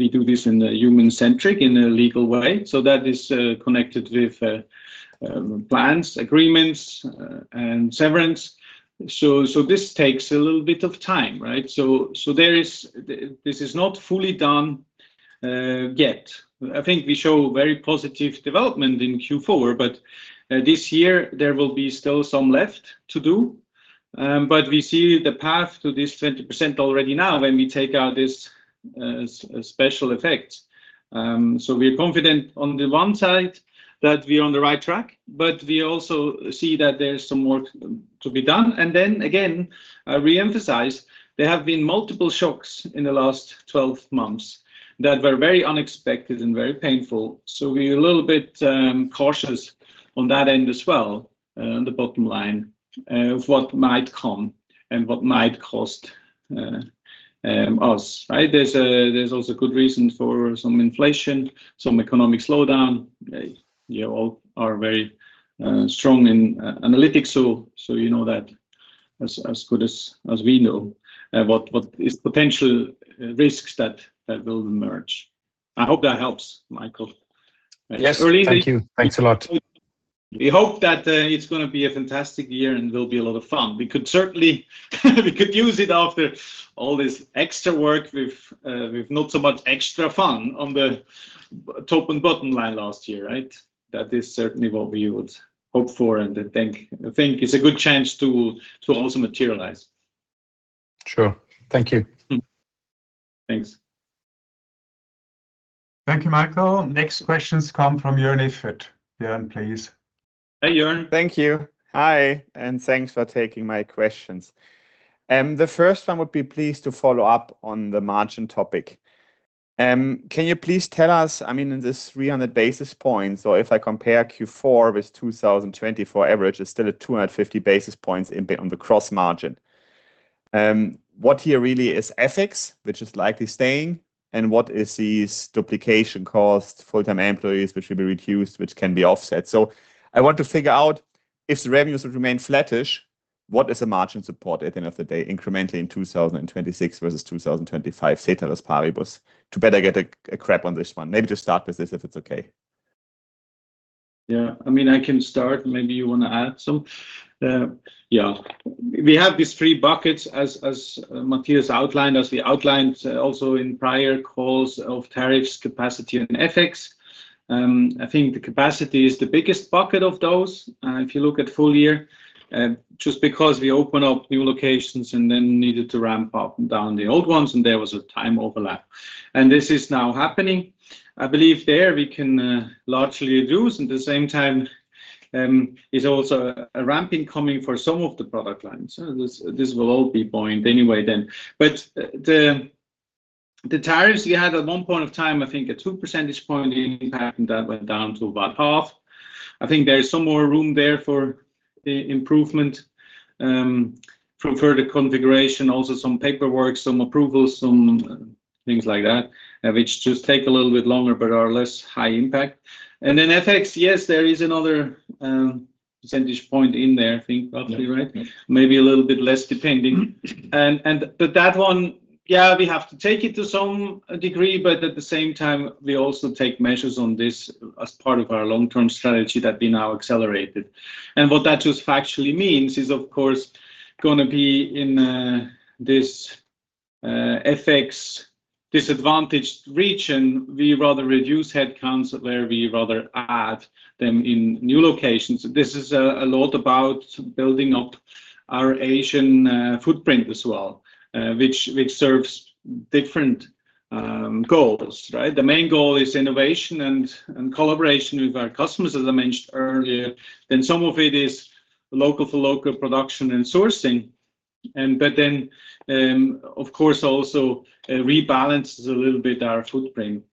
Speaker 2: do this in a human-centric, in a legal way. That is connected with plans, agreements, and severance. This takes a little bit of time, right? This is not fully done yet. I think we show very positive development in Q4, but this year there will be still some left to do. But we see the path to this 20% already now when we take out this special effects. We're confident on the one side that we're on the right track, but we also see that there's some work to be done. I reemphasize, there have been multiple shocks in the last twelve months that were very unexpected and very painful. We're a little bit cautious on that end as well, on the bottom line, of what might come and what might cost us, right? There's also good reason for some inflation, some economic slowdown. You all are very strong in analytics, so you know that as good as we know what is potential risks that will emerge. I hope that helps, Michael.
Speaker 5: Yes. Thank you. Thanks a lot.
Speaker 2: We hope that it's gonna be a fantastic year and will be a lot of fun. We could certainly use it after all this extra work with not so much extra fun on the top and bottom line last year, right? That is certainly what we would hope for, and I think it's a good chance to also materialize.
Speaker 5: Sure. Thank you.
Speaker 2: Thanks.
Speaker 1: Thank you, Michael. Next questions come from Jörn Iffert. Jörn, please.
Speaker 2: Hey, Jörn.
Speaker 6: Thank you. Hi, and thanks for taking my questions. The first one would be please to follow up on the margin topic. Can you please tell us, I mean, in this 300 basis points, or if I compare Q4 with 2024 average is still at 250 basis points on the gross margin. What here really is FX, which is likely staying, and what is this duplication cost, full-time employees, which will be reduced, which can be offset? I want to figure out if the revenues will remain flattish, what is the margin support at the end of the day incrementally in 2026 versus 2025, ceteris paribus? To better get a grip on this one. Maybe just start with this, if it's okay.
Speaker 2: I mean, I can start. Maybe you wanna add some. We have these three buckets as Matthias outlined, as we outlined also in prior calls of tariffs, capacity and FX. I think the capacity is the biggest bucket of those if you look at full year just because we open up new locations and then needed to ramp up and down the old ones, and there was a time overlap. This is now happening. I believe there we can largely reduce. At the same time, is also a ramping coming for some of the product lines. This will all be buoyant anyway then. The tariffs you had at 1 point of time, I think a 2 percentage point impact, and that went down to about half. I think there is some more room there for improvement from further configuration, also some paperwork, some approvals, some things like that, which just take a little bit longer but are less high impact. Then FX, yes, there is another percentage point in there, I think, roughly, right?
Speaker 3: Yeah.
Speaker 2: Maybe a little bit less depending. That one, yeah, we have to take it to some degree, but at the same time, we also take measures on this as part of our long-term strategy that we now accelerated. What that just factually means is, of course, gonna be in this FX disadvantaged region, we rather reduce headcounts where we rather add them in new locations. This is a lot about building up our Asian footprint as well, which serves different goals, right? The main goal is innovation and collaboration with our customers, as I mentioned earlier. Some of it is local to local production and sourcing. Of course, also it rebalances a little bit our footprint.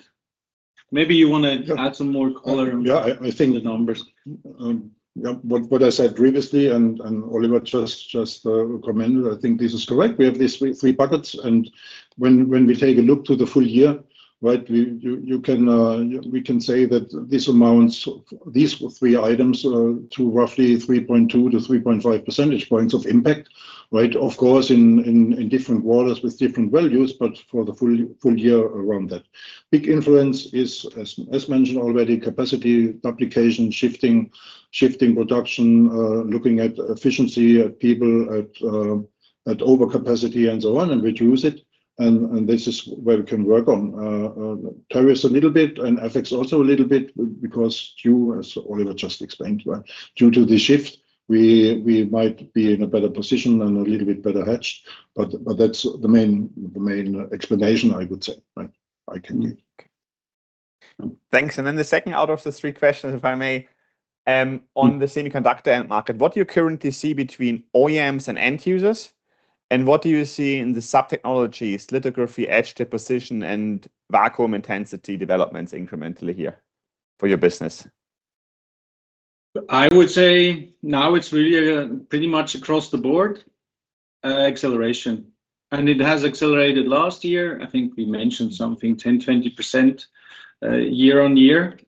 Speaker 2: Maybe you want to add some more color.
Speaker 3: Yeah, I think.
Speaker 2: On the numbers.
Speaker 3: Yeah, what I said previously, and Oliver just recommended, I think this is correct. We have these three buckets, and when we take a look at the full year, right, we can say that these three items amount to roughly 3.2-3.5 percentage points of impact, right? Of course, in different quarters with different values, but for the full year around that. The big influence is, as mentioned already, capacity duplication, shifting production, looking at efficiency, at people, at overcapacity and so on, and reduce it. This is where we can work on tariffs a little bit and FX also a little bit because you, as Oliver just explained, right, due to the shift, we might be in a better position and a little bit better hedged. That's the main explanation, I would say. Right. I can leave.
Speaker 6: Thanks. Then the second out of the three questions, if I may, on the semiconductor end market, what do you currently see between OEMs and end users, and what do you see in the sub-technologies, lithography, etch deposition, and vacuum intensity developments incrementally here for your business?
Speaker 2: I would say now it's really pretty much across the board acceleration. It has accelerated last year. I think we mentioned something, 10, 20% year on year.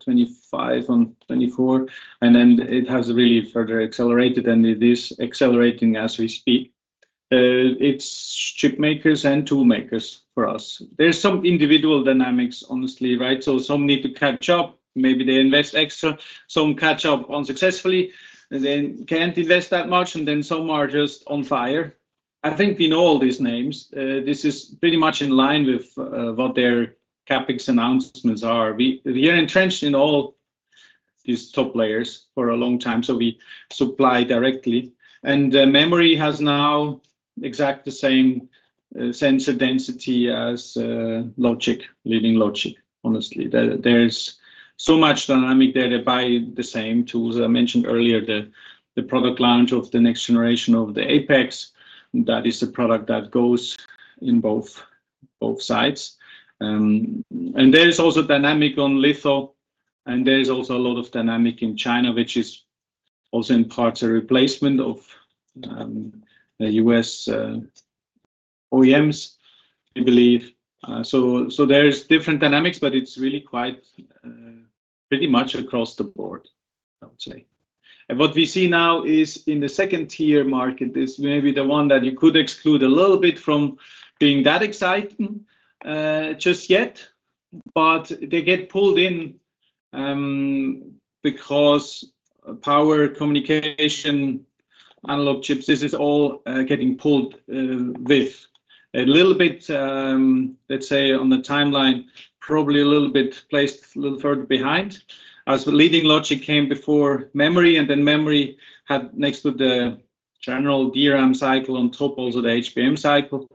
Speaker 2: Twenty-five on twenty-four. Then it has really further accelerated, and it is accelerating as we speak. It's chip makers and tool makers for us. There's some individual dynamics, honestly, right? Some need to catch up. Maybe they invest extra. Some catch up unsuccessfully, and then can't invest that much. Then some are just on fire. I think we know all these names. This is pretty much in line with what their CapEx announcements are. We are entrenched in all these top players for a long time, so we supply directly. Memory has now exactly the same sense of density as logic, leading logic. Honestly, there's so much dynamic there. They buy the same tools. I mentioned earlier the product launch of the next generation of the Apex. That is the product that goes in both sides. There is also dynamic on litho, and there is also a lot of dynamic in China, which is also in part a replacement of the U.S. OEMs, I believe. There is different dynamics, but it's really quite pretty much across the board, I would say. What we see now is in the second-tier market is maybe the one that you could exclude a little bit from being that exciting just yet. They get pulled in because power communication, analog chips, this is all getting pulled with. A little bit, let's say on the timeline, probably a little bit placed a little further behind, as leading logic came before memory, and then memory had next to the general DRAM cycle on top also the HBM cycle.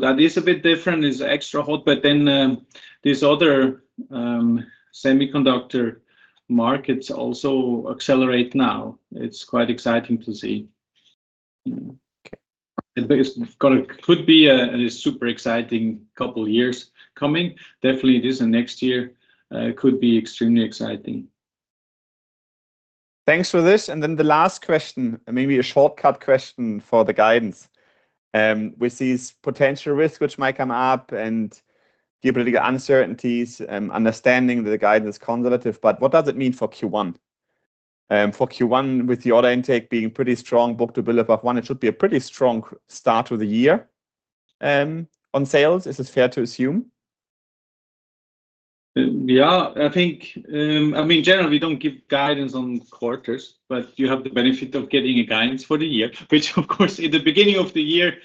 Speaker 2: That is a bit different. It's extra hot. These other semiconductor markets also accelerate now. It's quite exciting to see.
Speaker 6: Okay.
Speaker 2: Could be a super exciting couple years coming. Definitely this and next year could be extremely exciting.
Speaker 6: Thanks for this. The last question, maybe a shortcut question for the guidance. With these potential risks which might come up and the attendant uncertainties, understanding the guidance is conservative, but what does it mean for Q1? For Q1, with the order intake being pretty strong, book-to-bill above one, it should be a pretty strong start to the year, on sales. Is this fair to assume?
Speaker 2: Yeah. I think, I mean, generally, we don't give guidance on quarters, but you have the benefit of getting a guidance for the year, which of course, in the beginning of the year,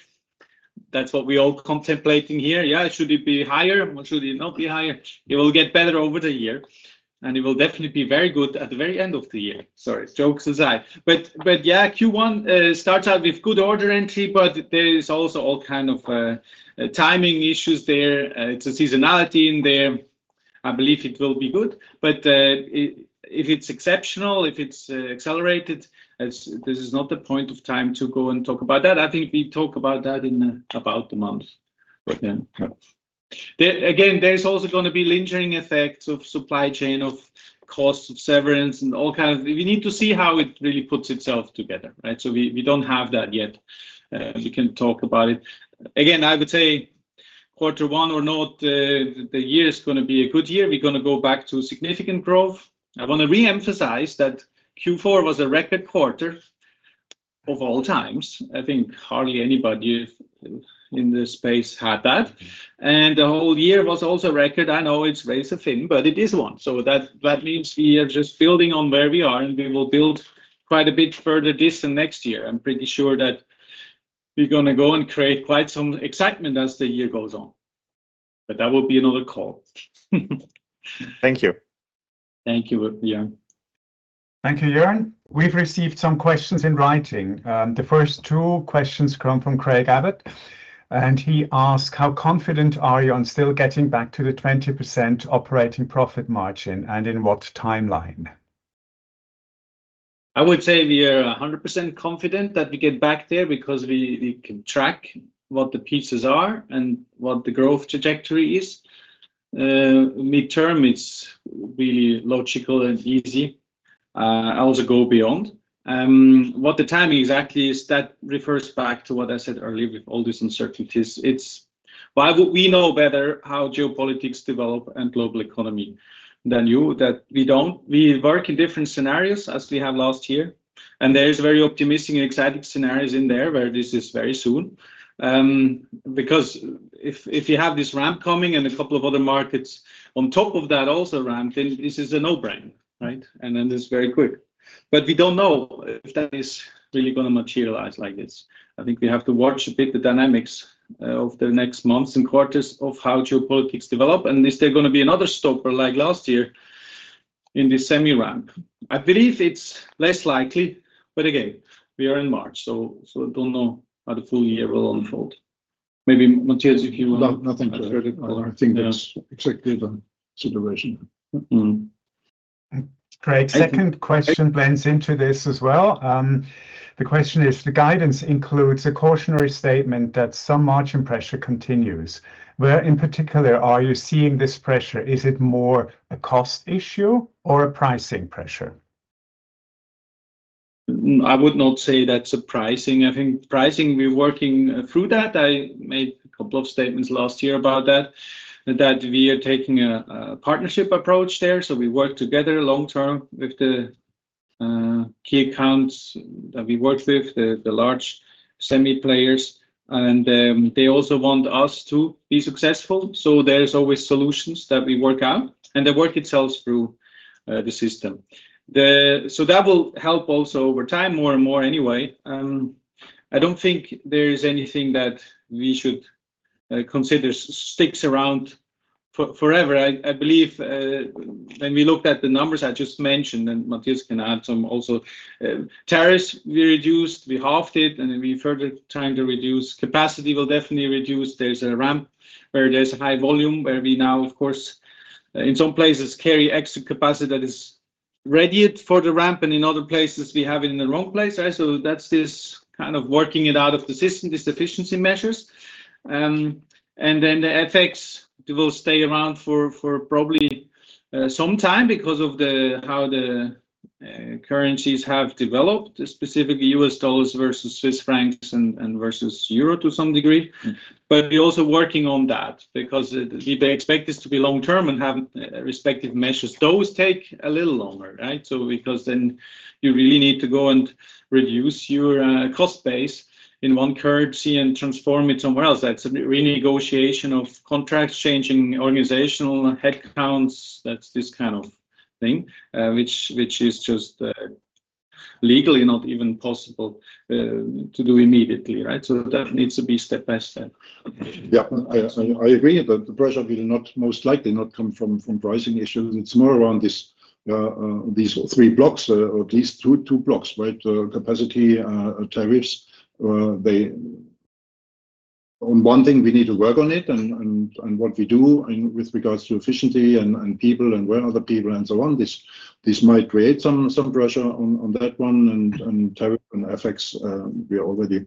Speaker 2: that's what we're all contemplating here. Yeah. Should it be higher, or should it not be higher? It will get better over the year, and it will definitely be very good at the very end of the year. Sorry, jokes aside. Yeah, Q1 starts out with good order entry, but there is also all kind of timing issues there. It's a seasonality in there. I believe it will be good, but if it's exceptional, if it's accelerated, this is not the point of time to go and talk about that. I think we talk about that in about a month. Yeah.
Speaker 6: Yeah.
Speaker 2: Again, there's also gonna be lingering effects of supply chain, of costs of severance and all kinds. We need to see how it really puts itself together, right? We don't have that yet. We can talk about it. Again, I would say quarter one or not, the year is gonna be a good year. We're gonna go back to significant growth. I want to reemphasize that Q4 was a record quarter of all times. I think hardly anybody in this space had that. The whole year was also record. I know it's race of thing, but it is one. That means we are just building on where we are, and we will build quite a bit further this and next year. I'm pretty sure that we're gonna go and create quite some excitement as the year goes on. That will be another call.
Speaker 6: Thank you.
Speaker 2: Thank you, Jörn.
Speaker 1: Thank you, Jörn. We've received some questions in writing. The first two questions come from Craig Abbott, and he asks, "How confident are you on still getting back to the 20% operating profit margin, and in what timeline?
Speaker 2: I would say we are 100% confident that we get back there because we can track what the pieces are and what the growth trajectory is. Midterm, it's really logical and easy, also go beyond. What the timing exactly is, that refers back to what I said earlier with all these uncertainties. It's why would we know better how geopolitics develop and global economy than you? That we don't. We work in different scenarios as we have last year, and there is very optimistic and exciting scenarios in there where this is very soon. Because if you have this ramp coming and a couple of other markets on top of that also ramp, then this is a no-brainer, right? Then it's very quick. We don't know if that is really gonna materialize like this. I think we have to watch a bit the dynamics of the next months and quarters of how geopolitics develop, and is there gonna be another stopper like last year in the semi ramp? I believe it's less likely, but again, we are in March, so I don't know how the full year will unfold. Maybe Matthias, if you-
Speaker 3: No, nothing to add. I think that's exactly the situation.
Speaker 2: Mm-hmm.
Speaker 1: Great. Second question blends into this as well. The question is, "The guidance includes a cautionary statement that some margin pressure continues. Where in particular are you seeing this pressure? Is it more a cost issue or a pricing pressure?
Speaker 2: I would not say that's a pricing. I think pricing, we're working through that. I made a couple of statements last year about that we are taking a partnership approach there. We work together long term with the key accounts that we work with, the large semi players, and they also want us to be successful, so there's always solutions that we work out, and we work it through the system. That will help also over time, more and more anyway. I don't think there is anything that we should consider sticks around forever. I believe when we looked at the numbers I just mentioned, and Matthias can add some also. Tariffs, we reduced, we halved it, and then we further trying to reduce. Capacity will definitely reduce. There's a ramp where there's high volume, where we now, of course, in some places carry extra capacity that is readied for the ramp, and in other places we have it in the wrong place, right? That's this kind of working it out of the system, these efficiency measures. The FX will stay around for probably some time because of how the currencies have developed, specifically U.S. dollars versus Swiss francs and versus euro to some degree. We're also working on that because if they expect this to be long term and have respective measures, those take a little longer, right? Because then you really need to go and reduce your cost base in one currency and transform it somewhere else. That's a renegotiation of contracts, changing organizational headcounts. That's this kind of thing, which is just legally not even possible to do immediately, right? That needs to be step by step.
Speaker 3: Yeah. I agree that the pressure will not, most likely not come from pricing issues. It's more around these three blocks or at least two blocks, right? Capacity, tariffs. On one thing we need to work on it and what we do and with regards to efficiency and people and where are the people and so on, this might create some pressure on that one. Tariffs and FX we already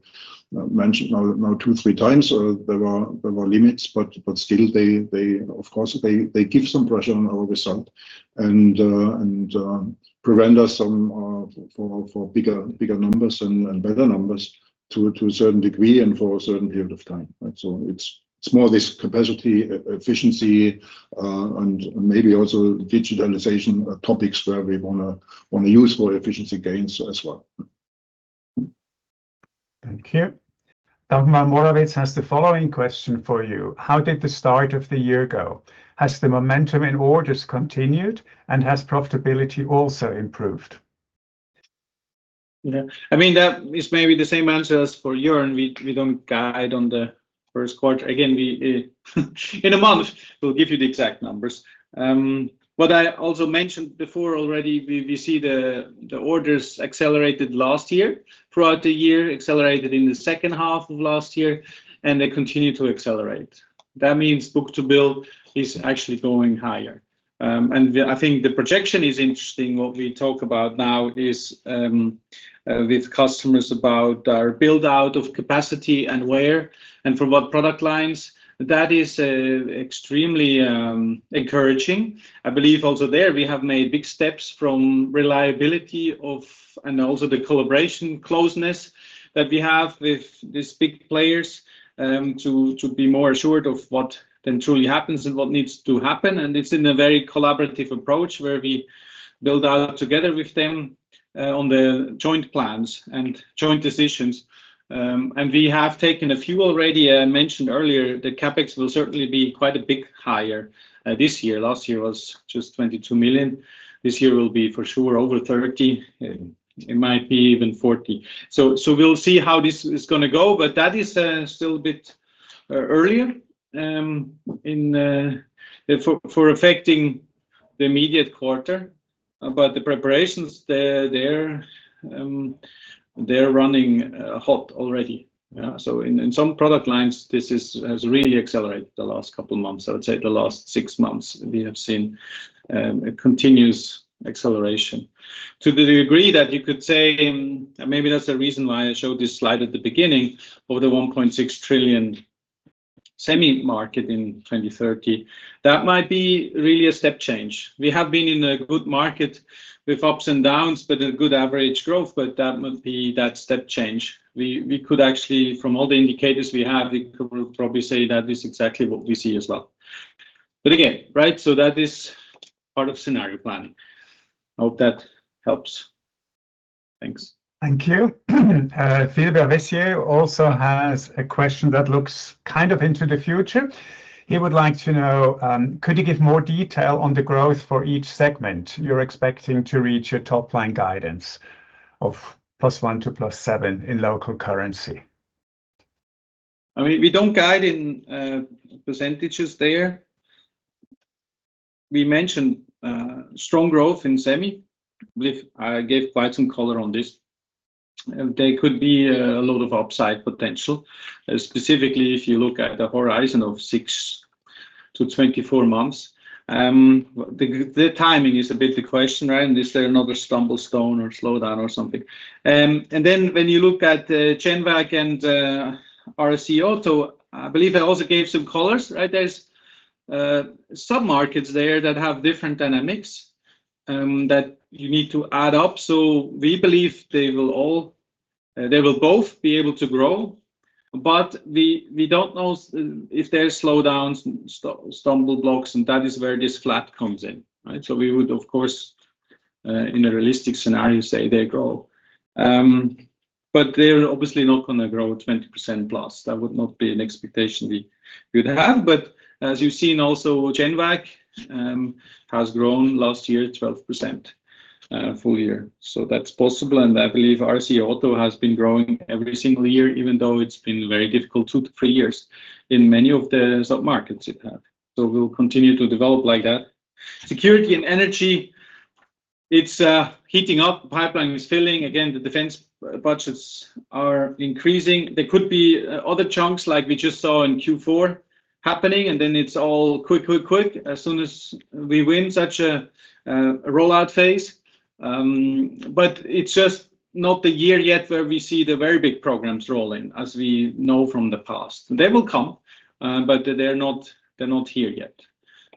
Speaker 3: mentioned now two, three times. There are limits, but still they of course give some pressure on our result and prevent us from bigger numbers and better numbers to a certain degree and for a certain period of time, right? It's more this capacity efficiency and maybe also digitalization topics where we wanna use for efficiency gains as well.
Speaker 1: Thank you. Dagmar Morawietz has the following question for you: "How did the start of the year go? Has the momentum in orders continued, and has profitability also improved?
Speaker 2: Yeah. I mean, that is maybe the same answer as for Jörn. We don't guide on the first quarter. Again, in a month we'll give you the exact numbers. What I also mentioned before already, we see the orders accelerated last year, throughout the year, accelerated in the second half of last year, and they continue to accelerate. That means book-to-bill is actually going higher. I think the projection is interesting. What we talk about now is with customers about our build-out of capacity and where, and for what product lines. That is extremely encouraging. I believe also there we have made big steps from reliability of, and also the collaboration closeness that we have with these big players, to be more assured of what then truly happens and what needs to happen. It's in a very collaborative approach where we build out together with them on the joint plans and joint decisions. We have taken a few already. I mentioned earlier that CapEx will certainly be quite a bit higher this year. Last year was just 22 million. This year will be for sure over 30. It might be even 40. We'll see how this is gonna go. That is still a bit earlier in for affecting the immediate quarter. The preparations, they're running hot already. In some product lines, this has really accelerated the last couple months. I would say the last six months, we have seen a continuous acceleration to the degree that you could say, maybe that's the reason why I showed this slide at the beginning of the $1.6 trillion semi market in 2030. That might be really a step change. We have been in a good market with ups and downs, but a good average growth. That would be that step change. We could actually from all the indicators we have, we could probably say that is exactly what we see as well. Again, right? That is part of scenario planning. I hope that helps. Thanks.
Speaker 1: Thank you. Philippe Vésier also has a question that looks kind of into the future. He would like to know, could you give more detail on the growth for each segment you're expecting to reach your top line guidance of +1%-+7% in local currency?
Speaker 2: I mean, we don't guide in percentages there. We mentioned strong growth in semi. I believe I gave quite some color on this. There could be a lot of upside potential, specifically if you look at the horizon of 6 to 24 months. The timing is a bit the question, right? Is there another stumbling stone or slowdown or something? When you look at the General Vacuum and RAC/Auto, I believe I also gave some color, right? There's some markets there that have different dynamics that you need to add up. We believe they will both be able to grow. We don't know if there's slowdowns, stumbling blocks, and that is where this flat comes in, right? We would of course, in a realistic scenario, say they grow. They're obviously not gonna grow 20% plus. That would not be an expectation we would have. As you've seen also, General Vacuum has grown last year 12%, full year. That's possible. I believe RAC Auto has been growing every single year, even though it's been very difficult, 2-3 years in many of the submarkets it have. We'll continue to develop like that. Security and energy, it's heating up, the pipeline is filling. Again, the defense budgets are increasing. There could be other chunks like we just saw in Q4 happening, and then it's all quick, quick as soon as we win such a rollout phase. It's just not the year yet where we see the very big programs rolling, as we know from the past. They will come, but they're not here yet.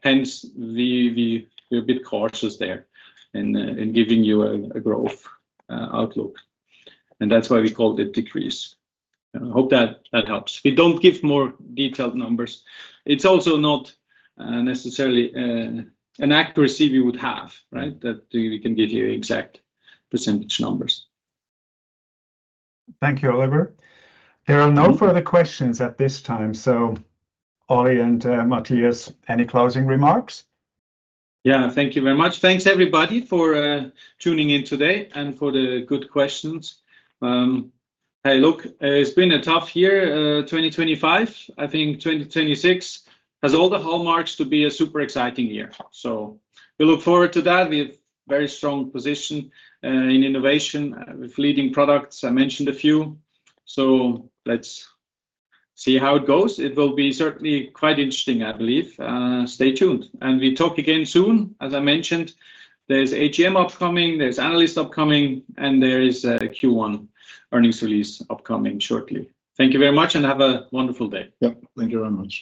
Speaker 2: Hence, we're a bit cautious there in giving you a growth outlook. That's why we called it decrease. I hope that helps. We don't give more detailed numbers. It's also not necessarily an accuracy we would have, right? That we can give you exact percentage numbers.
Speaker 1: Thank you, Oliver. There are no further questions at this time. Oli and Matthias, any closing remarks?
Speaker 2: Yeah. Thank you very much. Thanks, everybody, for tuning in today and for the good questions. Hey, look, it's been a tough year, 2025. I think 2026 has all the hallmarks to be a super exciting year. We look forward to that. We have very strong position in innovation with leading products. I mentioned a few, so let's see how it goes. It will be certainly quite interesting, I believe. Stay tuned and we talk again soon. As I mentioned, there's AGM upcoming, there's analyst upcoming, and there is a Q1 earnings release upcoming shortly. Thank you very much and have a wonderful day.
Speaker 3: Yep. Thank you very much.